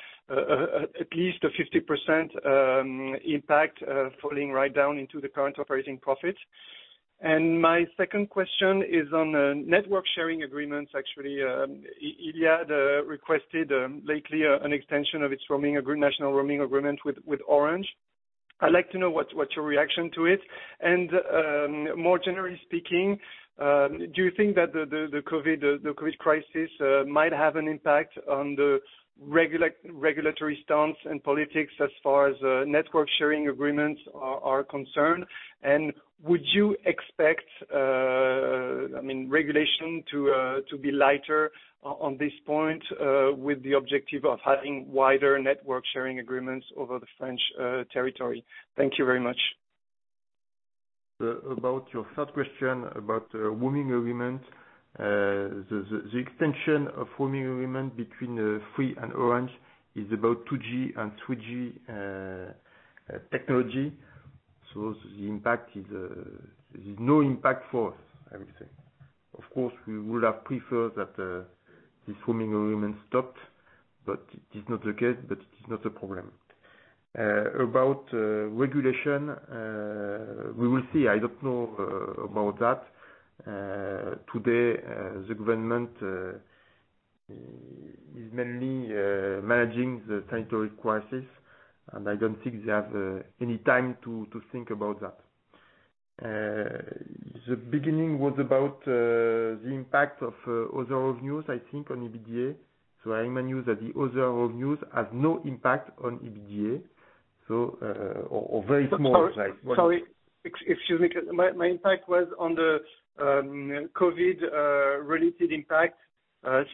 least a 50% impact falling right down into the current operating profit? My second question is on network sharing agreements, actually. Iliad requested lately an extension of its national roaming agreement with Orange. I'd like to know what's your reaction to it. More generally speaking, do you think that the COVID crisis might have an impact on the regulatory stance and politics as far as network sharing agreements are concerned? Would you expect regulation to be lighter on this point with the objective of having wider network sharing agreements over the French territory? Thank you very much. About your third question about roaming agreement. The extension of roaming agreement between Free and Orange is about 2G and 3G technology. There's no impact for us, I would say. Of course, we would have preferred that this roaming agreement stopped, but it is not the case, but it is not a problem. About regulation, we will see. I don't know about that. Today, the government is mainly managing the sanitary crisis, and I don't think they have any time to think about that. The beginning was about the impact of other revenues, I think, on EBITDA. I remind you that the other revenues have no impact on EBITDA. Or very small size. Sorry. Excuse me. My impact was on the COVID related impact.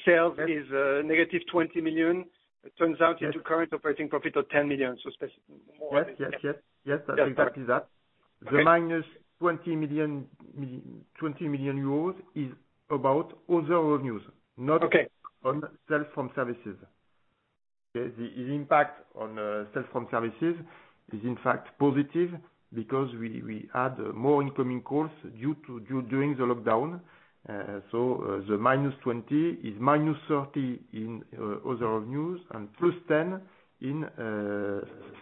Sales is -20 million, it turns out into current operating profit of 10 million, specifically more or less. Yes. That's exactly that. Okay. The minus 20 million is about other revenues, not- Okay on sales from services. Okay. The impact on sales from services is in fact positive because we had more incoming calls during the lockdown. The -20 is -30 in other revenues and +10 in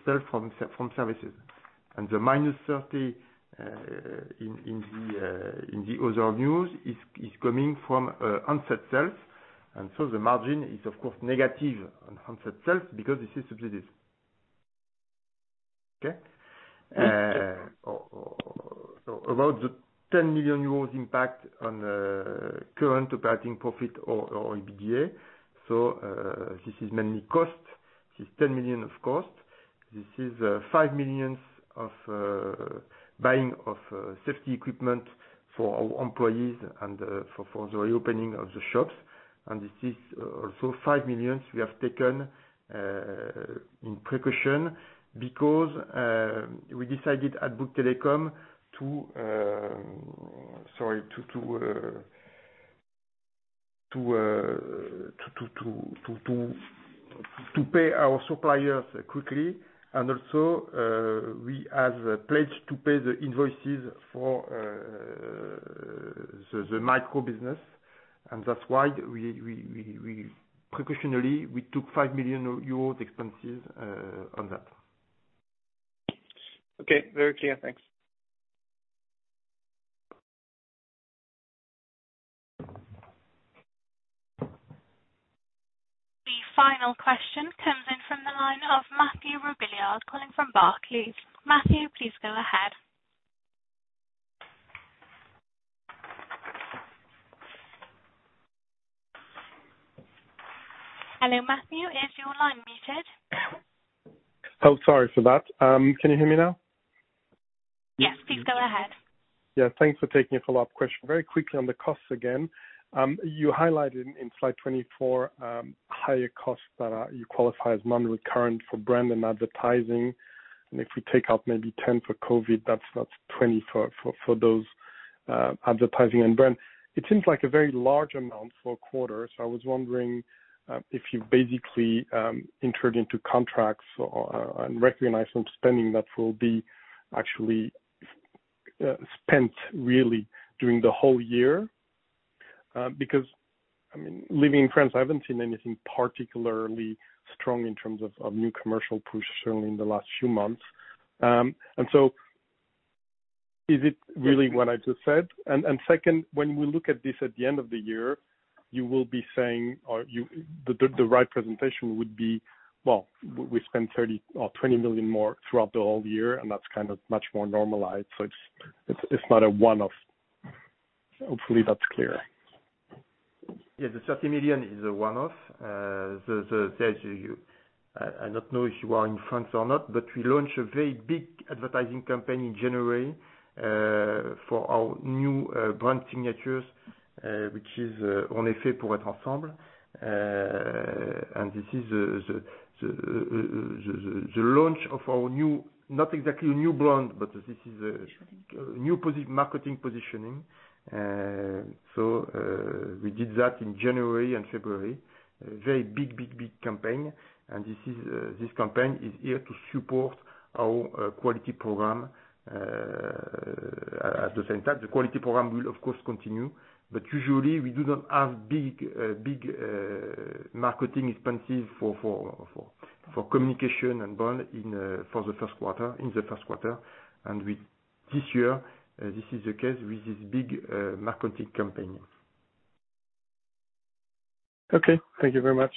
sales from services. The -30 in the other revenues is coming from handset sales. The margin is of course negative on handset sales because this is subsidies. Okay. Yes. About the 10 million euros impact on the current operating profit or EBITDA. This is mainly cost. This is 10 million of cost. This is 5 million of buying of safety equipment for our employees and for the reopening of the shops. This is also 5 million we have taken in precaution because we decided at Bouygues Telecom to pay our suppliers quickly and also we have pledged to pay the invoices for the micro business. That's why we precautionarily, we took 5 million euros expenses on that. Okay. Very clear. Thanks. The final question comes in from the line of Mathieu Robilliard, calling from Barclays. Mathieu, please go ahead. Hello, Mathieu. Is your line muted? Oh, sorry for that. Can you hear me now? Yes, please go ahead. Yeah. Thanks for taking a follow-up question. Very quickly on the costs again, you highlighted in slide 24, higher costs that you qualify as non-recurrent for brand and advertising. If we take out maybe 10 for COVID, that's 20 for those advertising and brand. It seems like a very large amount for a quarter. I was wondering if you basically entered into contracts or, and recognized some spending that will be actually spent really during the whole year. Living in France, I haven't seen anything particularly strong in terms of new commercial push certainly in the last few months. Is it really what I just said? Second, when we look at this at the end of the year, you will be saying, or the right presentation would be, well, we spend 30 or 20 million more throughout the whole year, and that's kind of much more normalized, so it's not a one-off. Hopefully that's clear. Yeah. The 30 million is a one-off. I don't know if you are in France or not, but we launched a very big advertising campaign in January, for our new brand signatures, which is On est fait pour être ensemble. This is the launch of our not exactly a new brand, but this is a new marketing positioning. We did that in January and February. Very big campaign. This campaign is here to support our quality program. At the same time, the quality program will of course continue, but usually we do not have big marketing expenses for communication and brand for the first quarter, in the first quarter. This year, this is the case with this big marketing campaign. Okay. Thank you very much.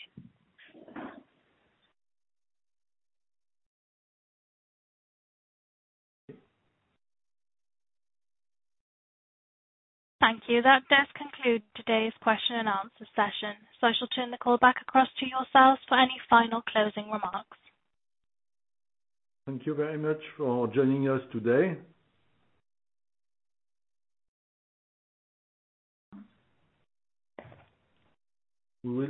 Thank you. That does conclude today's question and answer session. I shall turn the call back across to yourselves for any final closing remarks. Thank you very much for joining us today. We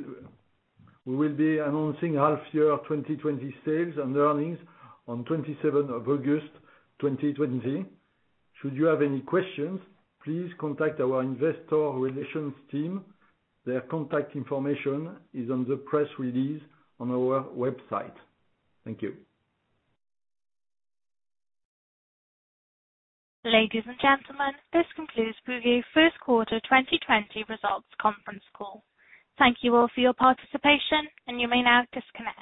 will be announcing half year 2020 sales and earnings on 27th of August 2020. Should you have any questions, please contact our investor relations team. Their contact information is on the press release on our website. Thank you. Ladies and gentlemen, this concludes Bouygues first quarter 2020 results conference call. Thank you all for your participation, and you may now disconnect.